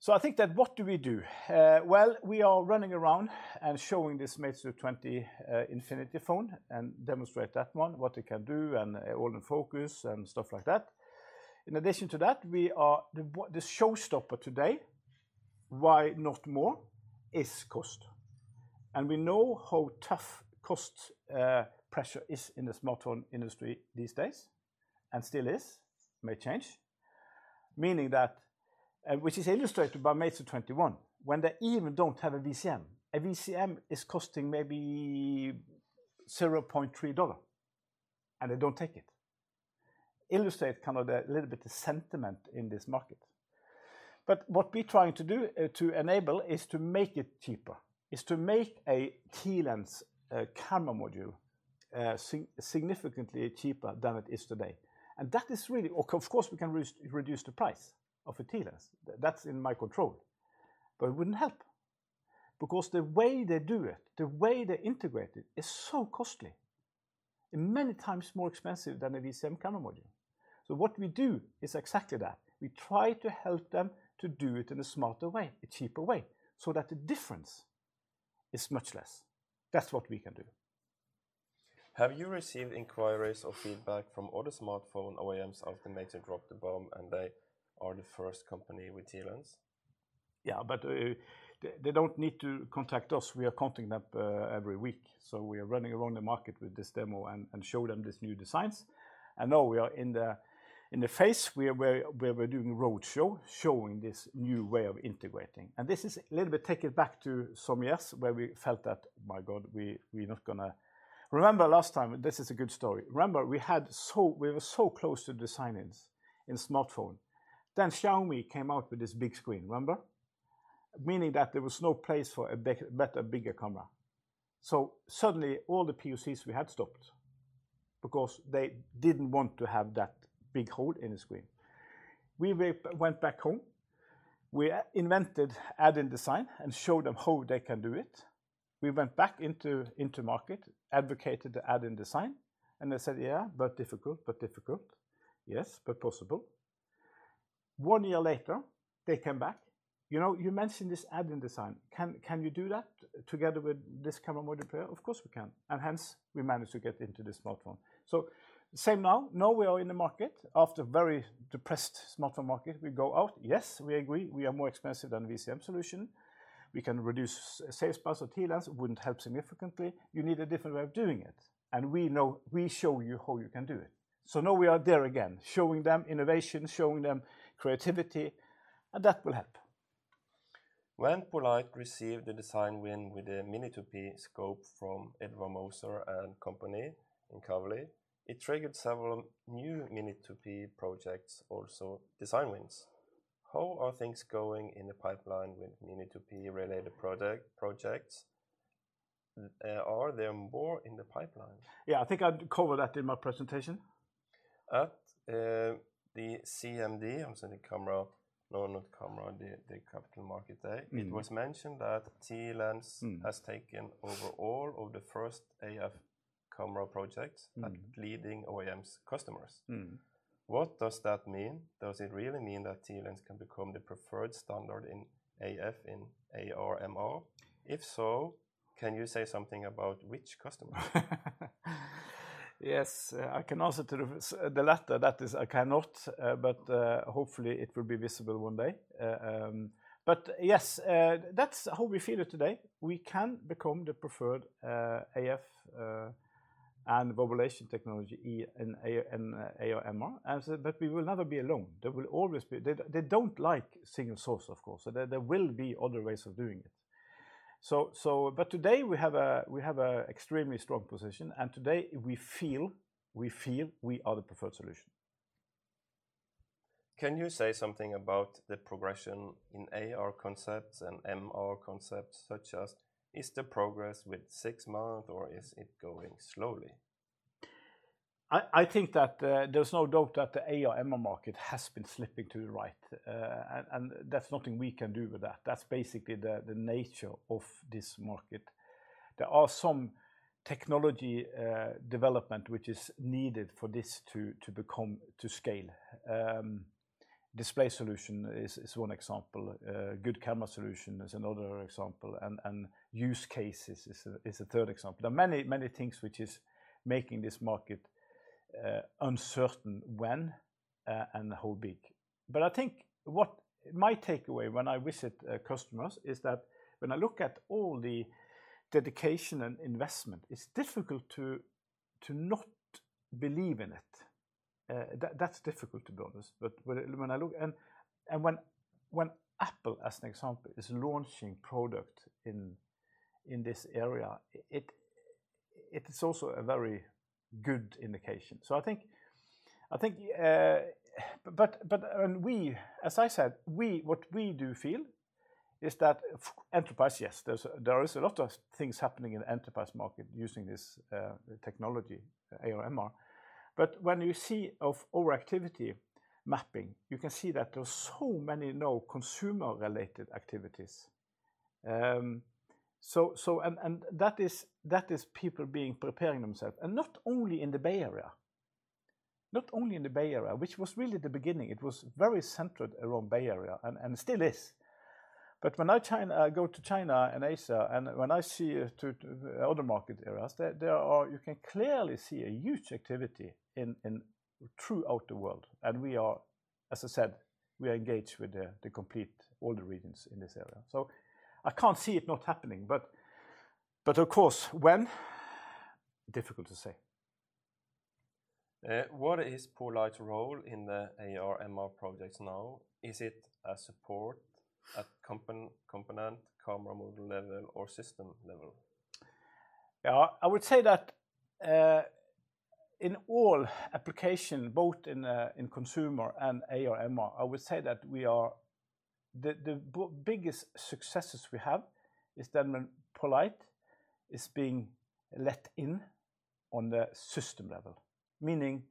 So I think that what do we do? Well, we are running around and showing this Meizu 20 Infinity phone and demonstrate that one, what it can do and all in focus and stuff like that. In addition to that, the showstopper today, why not more, is cost, and we know how tough cost pressure is in the smartphone industry these days, and still is, may change. Meaning that, which is illustrated by Meizu 21, when they even don't have a VCM. A VCM is costing maybe $0.3, and they don't take it. Illustrate kind of the little bit the sentiment in this market. But what we're trying to do, to enable is to make it cheaper, is to make a TLens camera module significantly cheaper than it is today, and that is really... Of course, we can reduce the price of a TLens. That's in my control. But it wouldn't help because the way they do it, the way they integrate it, is so costly and many times more expensive than a VCM camera module. So what we do is exactly that. We try to help them to do it in a smarter way, a cheaper way, so that the difference is much less. That's what we can do. Have you received inquiries or feedback from other smartphone OEMs after Meizu dropped the bomb, and they are the first company with TLens? Yeah, but they don't need to contact us. We are contacting them every week, so we are running around the market with this demo and show them these new designs. Now we are in the phase where we're doing roadshow, showing this new way of integrating, and this is a little bit, take it back to some years where we felt that, my God, we're not gonna... Remember last time, this is a good story. Remember we were so close to the design-ins in smartphone, then Xiaomi came out with this big screen, remember? Meaning that there was no place for a better, bigger camera. So suddenly, all the POCs we had stopped because they didn't want to have that big hole in the screen. We went back home. We invented add-in design and showed them how they can do it. We went back into the market, advocated the add-in design, and they said, "Yeah, but difficult, but difficult. Yes, but possible." One year later, they came back: "You know, you mentioned this add-in design. Can you do that together with this camera module player?" "Of course we can." And hence, we managed to get into the smartphone. So same now, we are in the market. After very depressed smartphone market, we go out. Yes, we agree we are more expensive than VCM solution. We can reduce sales price of TLens, it wouldn't help significantly. You need a different way of doing it, and we know we show you how you can do it. So now we are there again, showing them innovation, showing them creativity, and that will help. When poLight received the design win with the Mini2P scope from Edvard Moser and company in Kavli, it triggered several new Mini2P projects, also design wins. How are things going in the pipeline with Mini2P-related project, projects? Are there more in the pipeline? Yeah, I think I covered that in my presentation. At the CMD, I'm saying camera—no, not camera, the, the Capital Markets Day- Mm. It was mentioned that TLens Mm... has taken over all of the first AF camera projects- Mm... at leading OEM customers. Mm. What does that mean? Does it really mean that TLens can become the preferred standard in AF in AR/MR? If so, can you say something about which customer? Yes, I can answer to the latter. That is, I cannot, but hopefully it will be visible one day. But yes, that's how we feel it today. We can become the preferred AF and wobulation technology in AR and AR/MR, and so—but we will never be alone. There will always be... They don't like single source, of course, so there will be other ways of doing it. So but today we have a extremely strong position, and today we feel we are the preferred solution. Can you say something about the progression in AR concepts and MR concepts, such as, is the progress with six months, or is it going slowly? I think that there's no doubt that the AR/MR market has been slipping to the right, and that's nothing we can do with that. That's basically the nature of this market. There are some technology development which is needed for this to become to scale. Display solution is one example. Good camera solution is another example, and use cases is a third example. There are many things which is making this market uncertain when and how big. But I think what my takeaway when I visit customers is that when I look at all the dedication and investment, it's difficult to not believe in it. That's difficult, to be honest. But when I look and when Apple, as an example, is launching product in this area, it is also a very good indication. So I think. But as I said, we what we do feel is that for enterprise, yes, there is a lot of things happening in the enterprise market using this technology, AR/MR. But when you see of our activity mapping, you can see that there are so many now consumer-related activities. So, and that is people preparing themselves, and not only in the Bay Area. Not only in the Bay Area, which was really the beginning. It was very centered around Bay Area and still is. But when I go to China and Asia, and when I go to other market areas, you can clearly see a huge activity throughout the world, and, as I said, we are engaged with the complete all the regions in this area. So I can't see it not happening, but of course, when? Difficult to say. What is poLight's role in the AR/MR projects now? Is it a support at component, camera module level, or system level? Yeah, I would say that in all application, both in consumer and AR/MR, I would say that we are... The biggest successes we have is then when poLight is being let in on the system level, meaning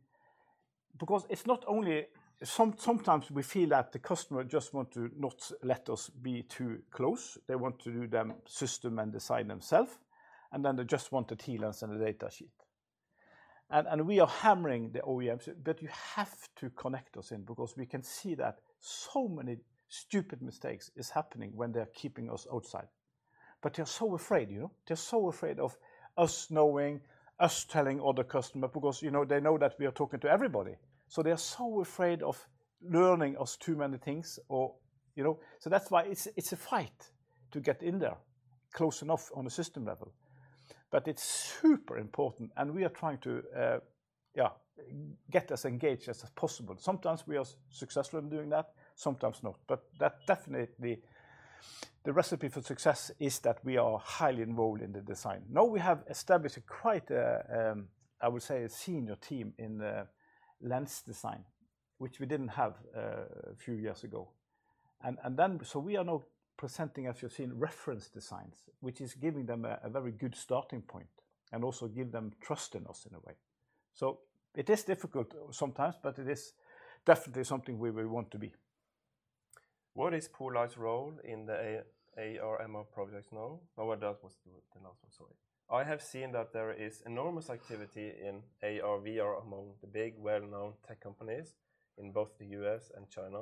because it's not only—sometimes we feel that the customer just want to not let us be too close. They want to do the system and design themself, and then they just want the TLens and the data sheet. And we are hammering the OEMs, "But you have to connect us in," because we can see that so many stupid mistakes is happening when they're keeping us outside. But they're so afraid, you know? They're so afraid of us knowing, us telling other customer, because, you know, they know that we are talking to everybody. So they are so afraid of learning us too many things or, you know. So that's why it's a fight to get in there, close enough on a system level. But it's super important, and we are trying to get as engaged as possible. Sometimes we are successful in doing that, sometimes not. But that definitely the recipe for success is that we are highly involved in the design. Now we have established quite a, I would say, a senior team in the lens design, which we didn't have a few years ago. And then, so we are now presenting, as you've seen, reference designs, which is giving them a very good starting point, and also give them trust in us in a way. So it is difficult sometimes, but it is definitely something where we want to be. What is poLight's role in the AR/MR projects now? No, that was the last one, sorry. I have seen that there is enormous activity in AR/VR among the big, well-known tech companies in both the U.S. and China.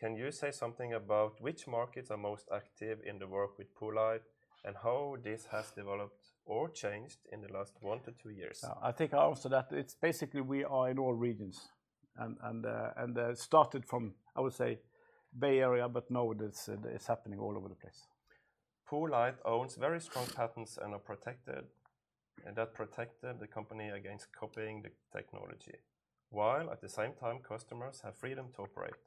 Can you say something about which markets are most active in the work with poLight, and how this has developed or changed in the last one to two years? Yeah. I think I answered that. It's basically we are in all regions, and it started from, I would say, Bay Area, but now it is, it's happening all over the place. poLight owns very strong patents and are protected... and that protected the company against copying the technology, while at the same time, customers have freedom to operate.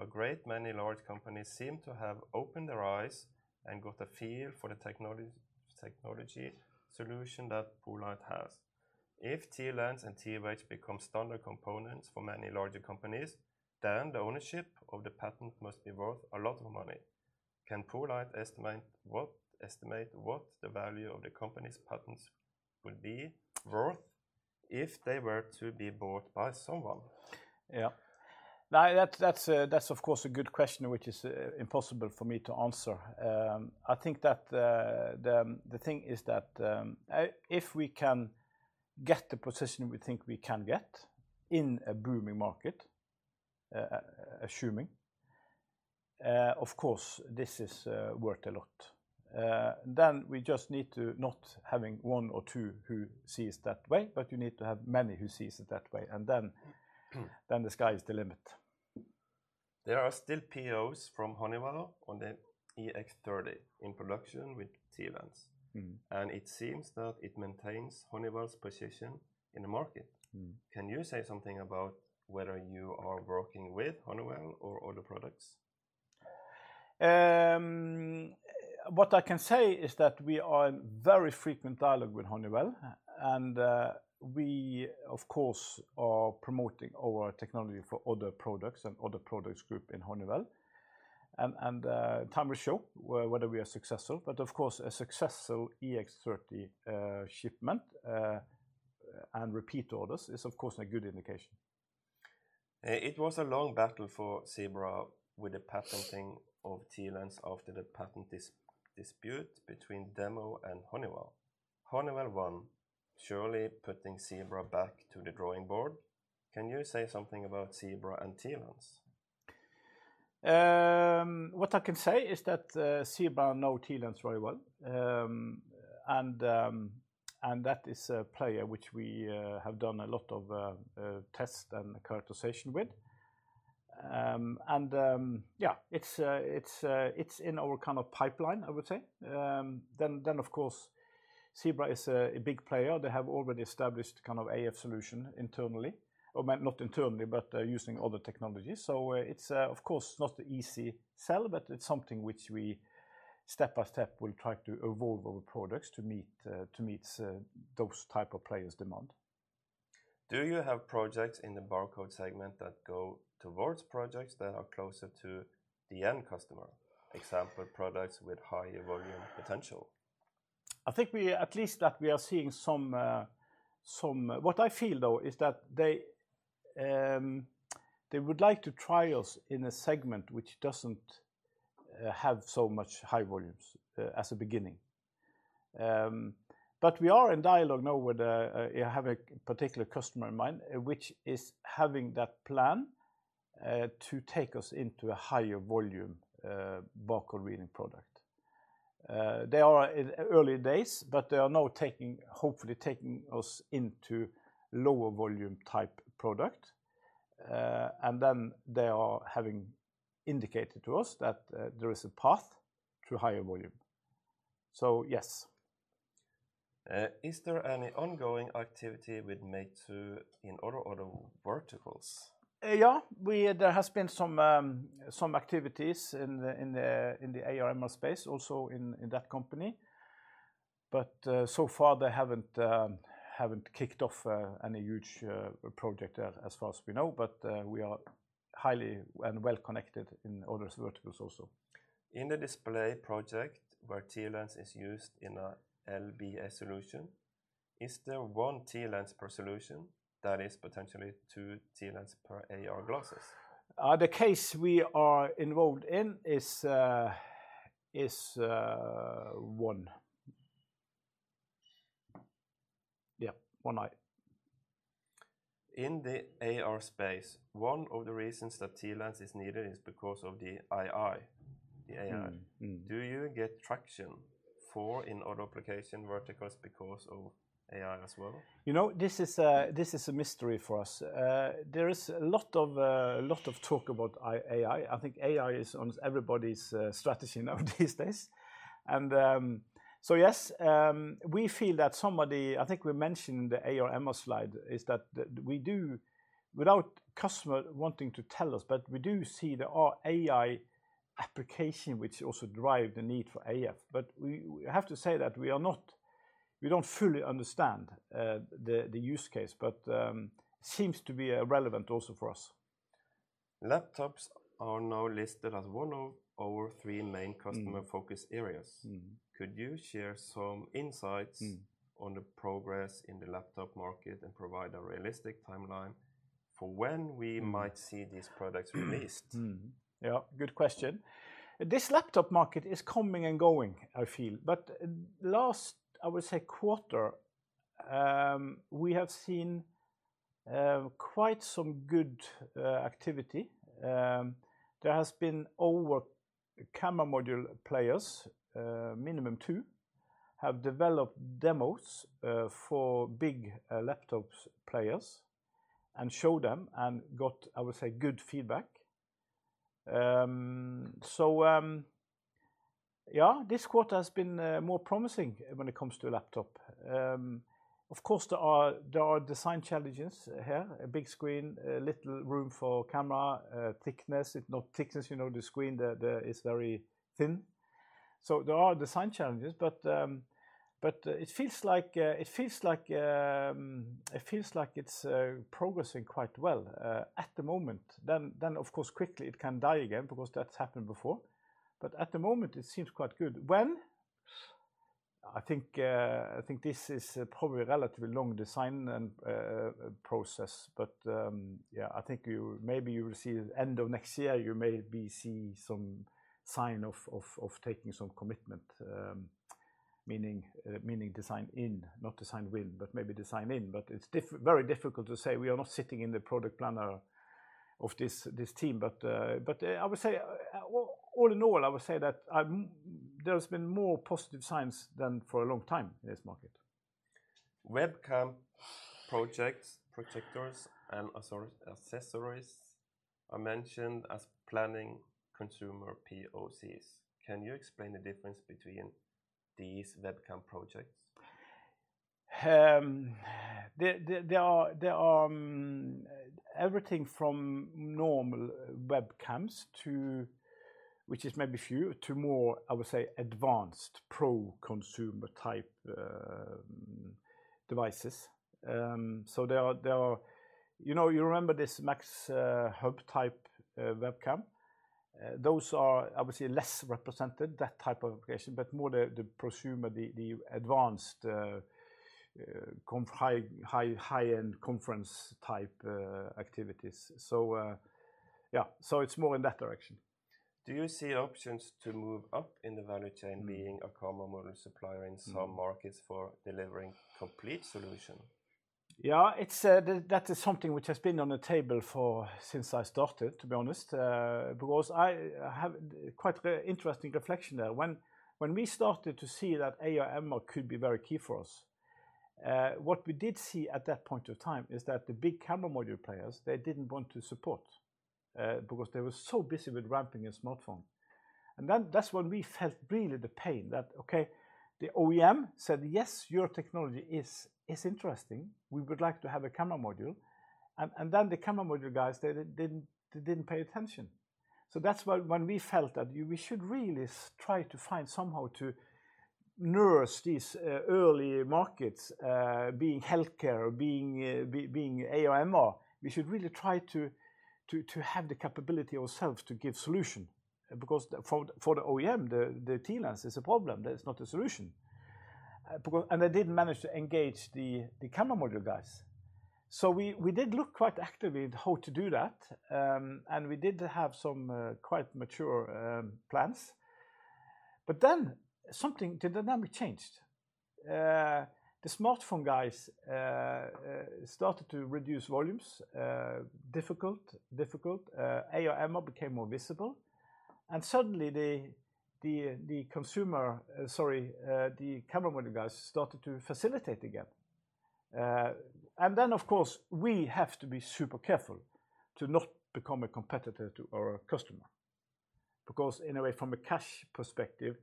A great many large companies seem to have opened their eyes and got a feel for the technology solution that poLight has. If TLens and TH become standard components for many larger companies, then the ownership of the patent must be worth a lot of money. Can poLight estimate what, estimate what the value of the company's patents would be worth if they were to be bought by someone? Yeah. Now, that's, that's, that's of course a good question, which is, impossible for me to answer. I think that, the, the thing is that, if we can get the position we think we can get in a booming market, assuming, of course, this is, worth a lot. Then we just need to not having one or two who sees that way, but you need to have many who sees it that way, and then- Mm... then the sky is the limit. There are still POs from Honeywell on the EX30 in production with TLens. Mm. It seems that it maintains Honeywell's position in the market. Mm. Can you say something about whether you are working with Honeywell or other products? What I can say is that we are in very frequent dialogue with Honeywell, and we, of course, are promoting our technology for other products and other products group in Honeywell. Time will show whether we are successful, but of course, a successful EX30 shipment and repeat orders is of course, a good indication. It was a long battle for Zebra with the patenting of TLens after the patent dispute between them and Honeywell. Honeywell won, surely putting Zebra back to the drawing board. Can you say something about Zebra and TLens? What I can say is that Zebra know TLens very well. And that is a player which we have done a lot of tests and characterization with. Yeah, it's in our kind of pipeline, I would say. Then, of course, Zebra is a big player. They have already established kind of AF solution internally, or maybe not internally, but using other technologies. So, it's of course not a easy sell, but it's something which we step by step will try to evolve our products to meet those type of players' demand. Do you have projects in the barcode segment that go towards projects that are closer to the end customer? Example, products with higher volume potential. I think we, at least that we are seeing some... What I feel, though, is that they, they would like to try us in a segment which doesn't have so much high volumes as a beginning. But we are in dialogue now with a, I have a particular customer in mind, which is having that plan to take us into a higher volume barcode reading product. They are in early days, but they are now taking, hopefully taking us into lower volume type product. And then they are having indicated to us that there is a path to higher volume. So, yes. Is there any ongoing activity with Meizu in other auto verticals? Yeah, there has been some activities in the AR/MR space, also in that company. But, so far, they haven't kicked off any huge project there, as far as we know, but we are highly and well-connected in other verticals also. In the display project, where TLens is used in a LBS solution, is there one TLens per solution that is potentially two TLens per AR glasses? The case we are involved in is one. Yeah, one eye. In the AR space, one of the reasons that TLens is needed is because of the AI. Mm, mm. Do you get traction for in other application verticals because of AI as well? You know, this is a mystery for us. There is a lot of talk about AI. I think AI is on everybody's strategy now these days. And so yes, we feel that somebody... I think we mentioned in the AR/MR slide, is that we do, without customer wanting to tell us, but we do see there are AI application which also drive the need for AF. But we have to say that we are not- we don't fully understand the use case, but seems to be relevant also for us. Laptops are now listed as one of our three main customer- Mm... focus areas. Mm. Could you share some insights- Mm... on the progress in the laptop market and provide a realistic timeline for when we might- Mm... see these products released? Yeah, good question. This laptop market is coming and going, I feel. But last quarter, I would say, we have seen quite some good activity. There has been over camera module players, minimum two, have developed demos for big laptop players and show them and got, I would say, good feedback... So, yeah, this quarter has been more promising when it comes to a laptop. Of course, there are design challenges here. A big screen, a little room for camera thickness. If not thickness, you know, the screen, the is very thin. So there are design challenges, but, but, it feels like it's progressing quite well at the moment. Then, of course, quickly it can die again because that's happened before. But at the moment, it seems quite good. When? I think this is probably a relatively long design and process, but yeah, I think you maybe will see the end of next year, you maybe see some sign of taking some commitment. Meaning design-in, not design win, but maybe design-in. But it's very difficult to say. We are not sitting in the product planner of this team. But I would say, well, all in all, I would say that there's been more positive signs than for a long time in this market. Webcam projects, projectors, and assorted accessories are mentioned as planning consumer POCs. Can you explain the difference between these webcam projects? There are everything from normal webcams to... which is maybe few, to more, I would say, advanced pro-consumer type, devices. So there are- You know, you remember this MAXHUB-type, webcam? Those are, obviously, less represented, that type of application, but more the prosumer, the advanced, high, high, high-end conference-type, activities. So, yeah, so it's more in that direction. Do you see options to move up in the value chain? Mm... being a camera module supplier- Mm in some markets for delivering complete solution? Yeah, it's that is something which has been on the table since I started, to be honest. Because I, I have quite a interesting reflection there. When, when we started to see that AR/MR could be very key for us, what we did see at that point of time is that the big camera module players, they didn't want to support, because they were so busy with ramping a smartphone. And then that's when we felt really the pain, that, okay, the OEM said, "Yes, your technology is, is interesting. We would like to have a camera module." And, and then the camera module guys, they didn't, they didn't pay attention. So that's when, when we felt that we should really try to find somehow to nurse these, early markets, being healthcare, being, being AR/MR. We should really try to have the capability ourselves to give solution. Because for the OEM, the TLens is a problem; that's not a solution. They didn't manage to engage the camera module guys. We did look quite actively at how to do that, and we did have some quite mature plans. Then something the dynamic changed. The smartphone guys started to reduce volumes, difficult. AR/MR became more visible, and suddenly the consumer, sorry, the camera module guys started to facilitate again. Then, of course, we have to be super careful to not become a competitor to our customer. Because in a way, from a cash perspective,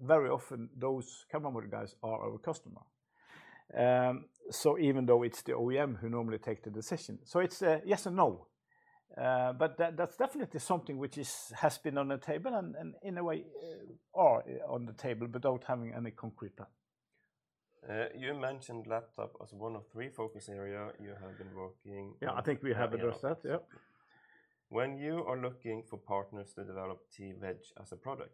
very often, those camera module guys are our customer. So even though it's the OEM who normally take the decision. So it's yes and no. But that, that's definitely something which is, has been on the table and, and in a way, are on the table, but without having any concrete plan. You mentioned laptop as one of three focus area you have been working- Yeah, I think we have addressed that. Yep. When you are looking for partners to develop TWedge as a product,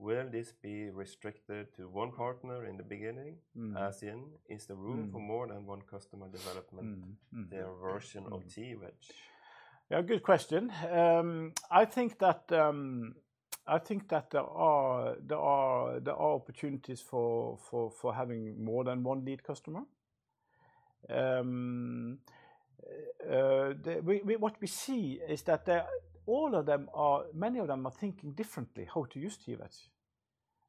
will this be restricted to one partner in the beginning? Mm. As in, is there room? Mm... for more than one customer developing- Mm, mm, mm... their version of TWedge? Yeah, good question. I think that there are opportunities for having more than one lead customer. What we see is that all of them are—many of them are thinking differently how to use TWedge.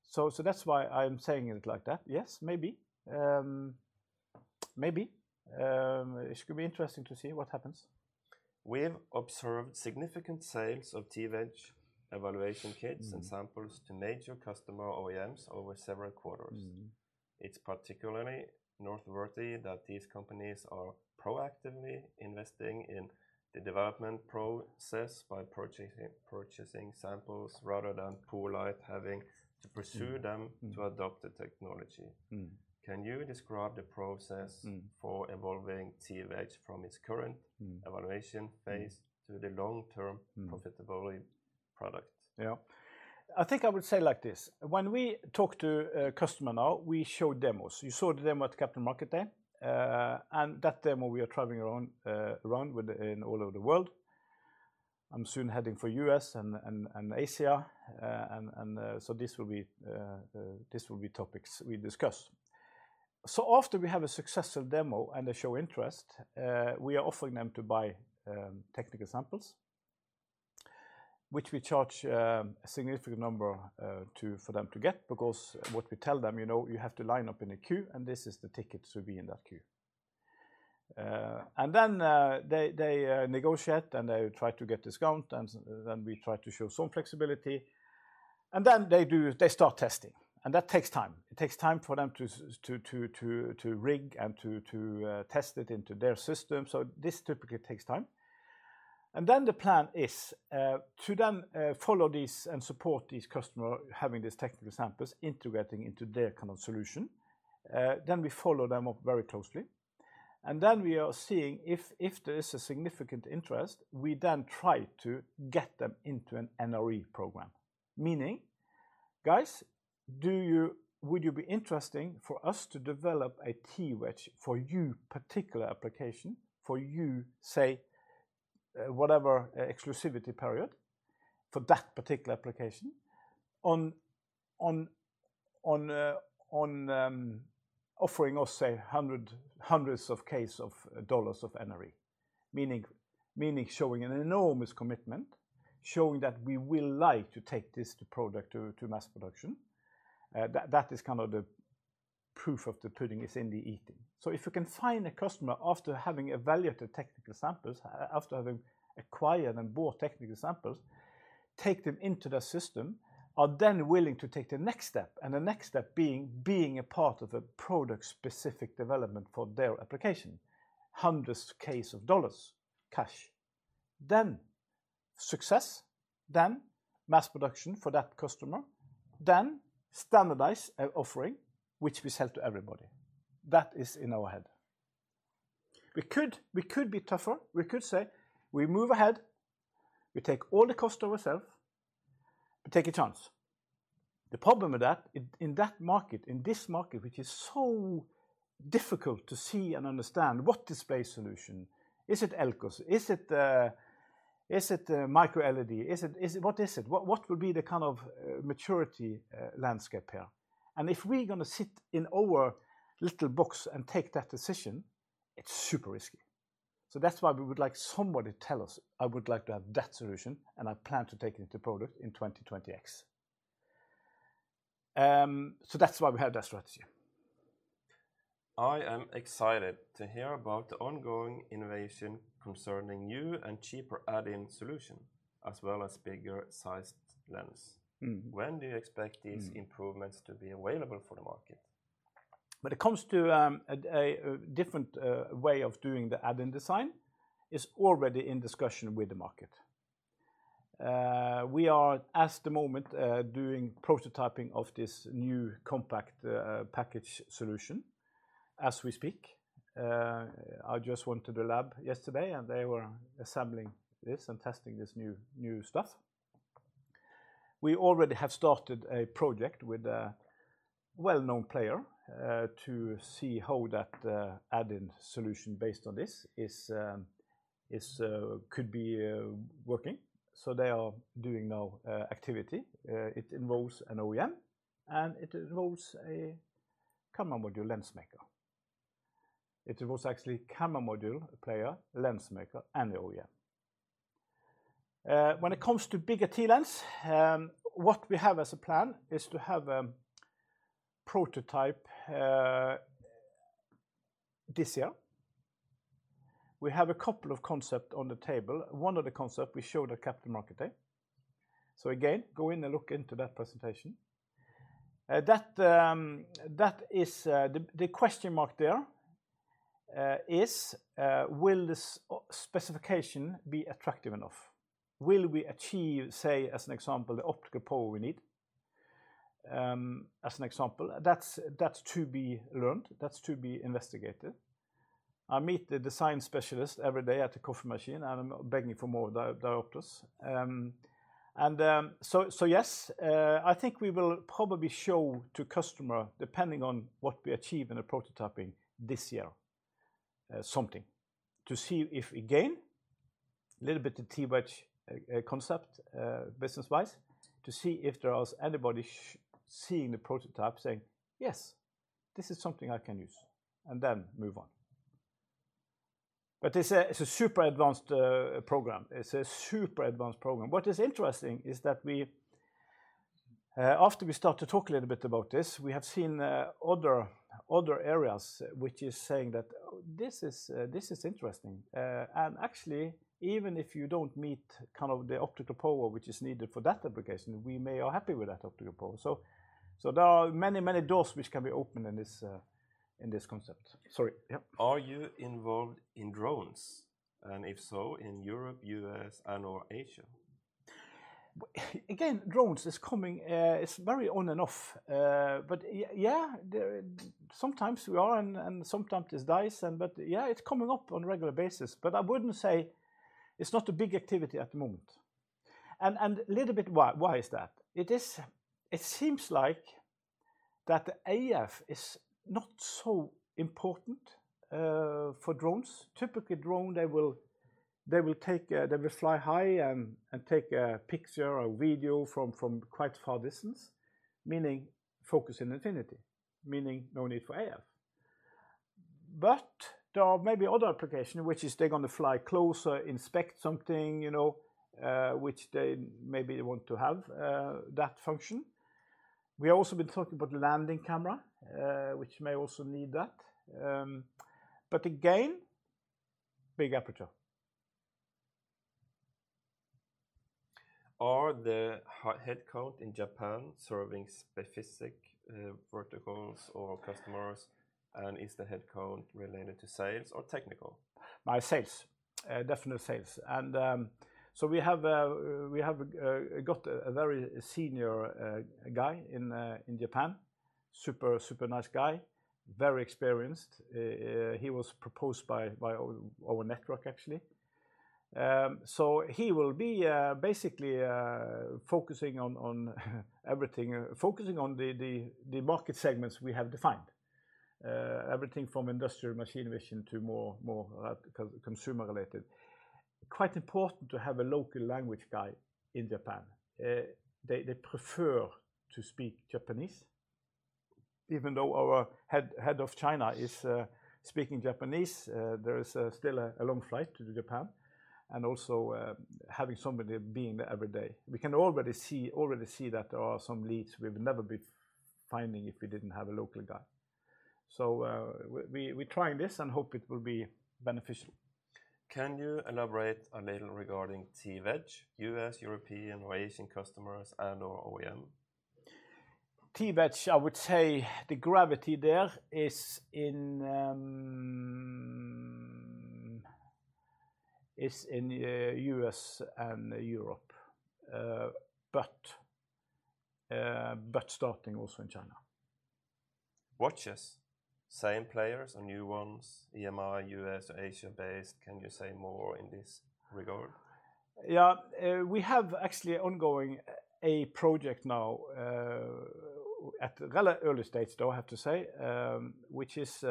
So that's why I'm saying it like that. Yes, maybe. Maybe. It should be interesting to see what happens. We've observed significant sales of TWedge evaluation kits- Mm... and samples to major customer OEMs over several quarters. Mm-hmm. It's particularly noteworthy that these companies are proactively investing in the development process by purchasing samples, rather than poLight having to pursue them. Mm... to adopt the technology. Mm. Can you describe the process? Mm... for evolving TWedge from its current- Mm... evaluation phase to the long-term- Mm... profitability product? Yeah. I think I would say like this: when we talk to a customer now, we show demos. You saw the demo at Capital Markets Day. And that demo, we are traveling around with it all over the world. I'm soon heading for U.S. and Asia, so this will be topics we discuss. So after we have a successful demo and they show interest, we are offering them to buy technical samples, which we charge a significant number to, for them to get. Because what we tell them, "You know, you have to line up in a queue, and this is the ticket to be in that queue." And then, they negotiate and they try to get discount, and then we try to show some flexibility. And then they do, they start testing, and that takes time. It takes time for them to rig and test it into their system. So this typically takes time. And then the plan is to then follow these and support these customer having these technical samples integrating into their kind of solution. Then we follow them up very closely, and then we are seeing if there is a significant interest, we then try to get them into an NRE program. Meaning, "Guys, do you, would you be interested for us to develop a TWedge for your particular application, for you, say, whatever exclusivity period, for that particular application, offering us say, hundreds of thousands of dollars of NRE?" Meaning, showing an enormous commitment, showing that we will like to take this to product, to mass production. That is kind of the proof of the pudding is in the eating. So if you can find a customer after having evaluated the technical samples, after having acquired and bought technical samples, take them into their system, are then willing to take the next step, and the next step being a part of a product-specific development for their application, hundreds of thousands of dollars cash. Then success, then mass production for that customer, then standardize an offering, which we sell to everybody. That is in our head. We could, we could be tougher. We could say, "We move ahead, we take all the cost ourselves. We take a chance." The problem with that, in that market, in this market, which is so difficult to see and understand what display solution, is it LCoS? Is it, is it micro-LED? Is it, is it—what is it? What, what would be the kind of maturity landscape here? And if we're gonna sit in our little box and take that decision, it's super risky. So that's why we would like somebody tell us, "I would like to have that solution, and I plan to take it into product in 202X." So that's why we have that strategy. I am excited to hear about the ongoing innovation concerning new and cheaper add-in solution, as well as bigger-sized lens. Mm. When do you expect- Mm... these improvements to be available for the market? When it comes to a different way of doing the add-in design, it's already in discussion with the market. We are, at the moment, doing prototyping of this new compact package solution as we speak. I just went to the lab yesterday, and they were assembling this and testing this new stuff. We already have started a project with a well-known player to see how that add-in solution based on this could be working. So they are doing now activity. It involves an OEM, and it involves a camera module lens maker. It involves actually camera module player, lens maker, and the OEM. When it comes to bigger TLens, what we have as a plan is to have a prototype this year. We have a couple of concepts on the table. One of the concepts we showed at Capital Markets Day. So again, go in and look into that presentation. That is the question mark there: is will this specification be attractive enough? Will we achieve, say, as an example, the optical power we need, as an example? That's to be learned. That's to be investigated. I meet the design specialist every day at the coffee machine, and I'm begging for more diopters. And so yes, I think we will probably show to customer, depending on what we achieve in the prototyping this year, something. To see if, again, a little bit of TWedge concept, business-wise, to see if there is anybody seeing the prototype saying, "Yes, this is something I can use," and then move on. But it's a super advanced program. It's a super advanced program. What is interesting is that we, after we start to talk a little bit about this, we have seen other areas which is saying that, "This is interesting. And actually, even if you don't meet kind of the optical power which is needed for that application, we may are happy with that optical power." So there are many doors which can be opened in this concept. Sorry, yep. Are you involved in drones, and if so, in Europe, U.S., and/or Asia? Well, again, drones is coming, it's very on and off. But yeah, there, sometimes we are, and sometimes it dies, and but yeah, it's coming up on a regular basis. But I wouldn't say... It's not a big activity at the moment. And a little bit, why is that? It seems like that the AF is not so important for drones. Typically, drone they will take, they will fly high and take a picture or video from quite far distance, meaning focus in infinity, meaning no need for AF. But there are maybe other application, which is they're gonna fly closer, inspect something, you know, which they maybe want to have that function... We also been talking about the landing camera, which may also need that. But again, big aperture. Are the headquarters in Japan serving specific verticals or customers, and is the headquarters related to sales or technical? My sales, definitely sales. And so we have got a very senior guy in Japan. Super nice guy, very experienced. He was proposed by our network, actually. So he will be basically focusing on everything, focusing on the market segments we have defined. Everything from industrial machine vision to more consumer-related. Quite important to have a local language guy in Japan. They prefer to speak Japanese. Even though our head of China is speaking Japanese, there is still a long flight to Japan, and also, having somebody being there every day. We can already see that there are some leads we've never been finding if we didn't have a local guy. So, we trying this and hope it will be beneficial. Can you elaborate a little regarding TWedge? U.S., European, or Asian customers and/or OEM? TWedge, I would say the gravity there is in U.S. and Europe, but starting also in China. Watches. Same players or new ones, EMEA, U.S., or Asia-based? Can you say more in this regard? Yeah, we have actually ongoing a project now at the rather early stage, though I have to say, which is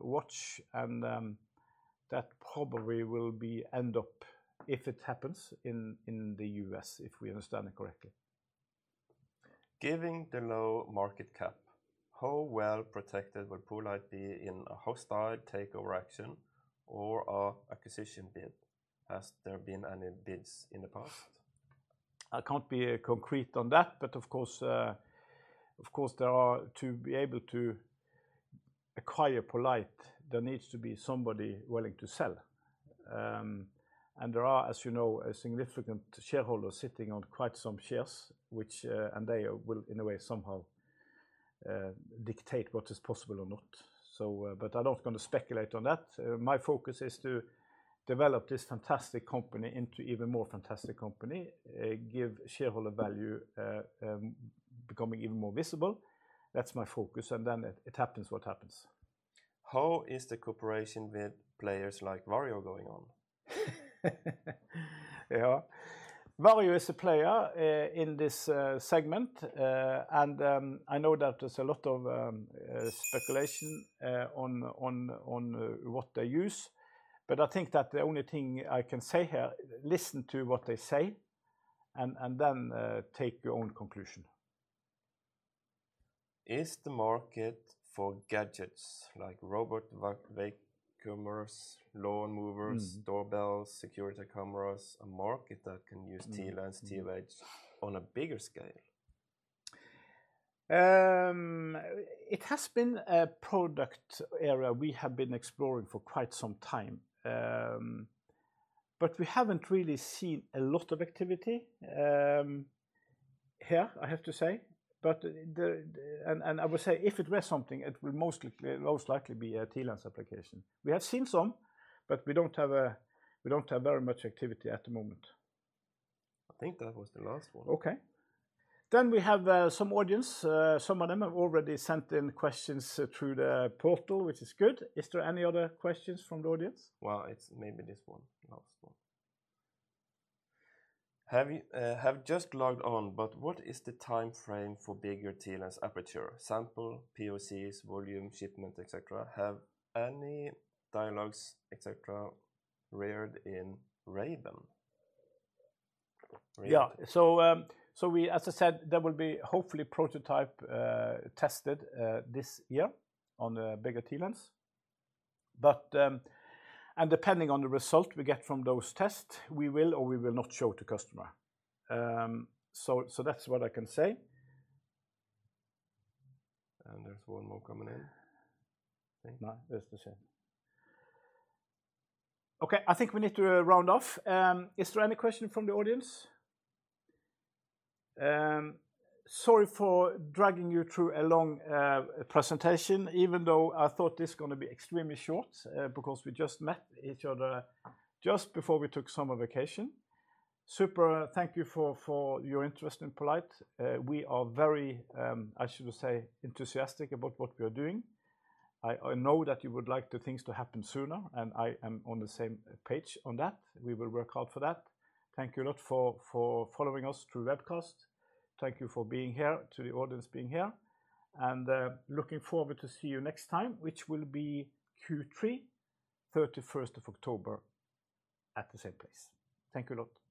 watch and that probably will end up, if it happens, in the U.S., if we understand it correctly. Given the low market cap, how well protected will poLight be in a hostile takeover action or an acquisition bid? Has there been any bids in the past? I can't be concrete on that, but of course, of course, there are... To be able to acquire poLight, there needs to be somebody willing to sell. And there are, as you know, a significant shareholder sitting on quite some shares, which, and they will, in a way, somehow, dictate what is possible or not. So, but I don't want to speculate on that. My focus is to develop this fantastic company into even more fantastic company, give shareholder value, becoming even more visible. That's my focus, and then it, it happens what happens. How is the cooperation with players like Varjo going on? Yeah. Varjo is a player in this segment, and I know that there's a lot of speculation on what they use, but I think that the only thing I can say here, listen to what they say, and then take your own conclusion. Is the market for gadgets like robot vacuums, lawn mowers- Mm... doorbells, security cameras, a market that can use- Mm... TLens, TWedge on a bigger scale? It has been a product area we have been exploring for quite some time. But we haven't really seen a lot of activity here, I have to say. And I would say if it were something, it will mostly, most likely be a TLens application. We have seen some, but we don't have very much activity at the moment. I think that was the last one. Okay. Then we have some audience. Some of them have already sent in questions through the portal, which is good. Is there any other questions from the audience? Well, it's maybe this one, last one. Have you just logged on, but what is the timeframe for bigger TLens aperture? Sample, POCs, volume, shipment, et cetera. Have any dialogues, et cetera, [regarding revenue]? Right. Yeah. So, so we—as I said, there will be hopefully prototype tested this year on a bigger TLens. But, and depending on the result we get from those tests, we will or we will not show to customer. So, that's what I can say. There's one more coming in, I think. No, that's the same. Okay, I think we need to round off. Is there any question from the audience? Sorry for dragging you through a long presentation, even though I thought this going to be extremely short, because we just met each other just before we took summer vacation. Super thank you for your interest in poLight. We are very, I should say, enthusiastic about what we are doing. I, I know that you would like the things to happen sooner, and I am on the same page on that. We will work hard for that. Thank you a lot for following us through webcast. Thank you for being here, to the audience being here, and looking forward to see you next time, which will be Q3, 31st of October, at the same place. Thank you a lot. Thank you.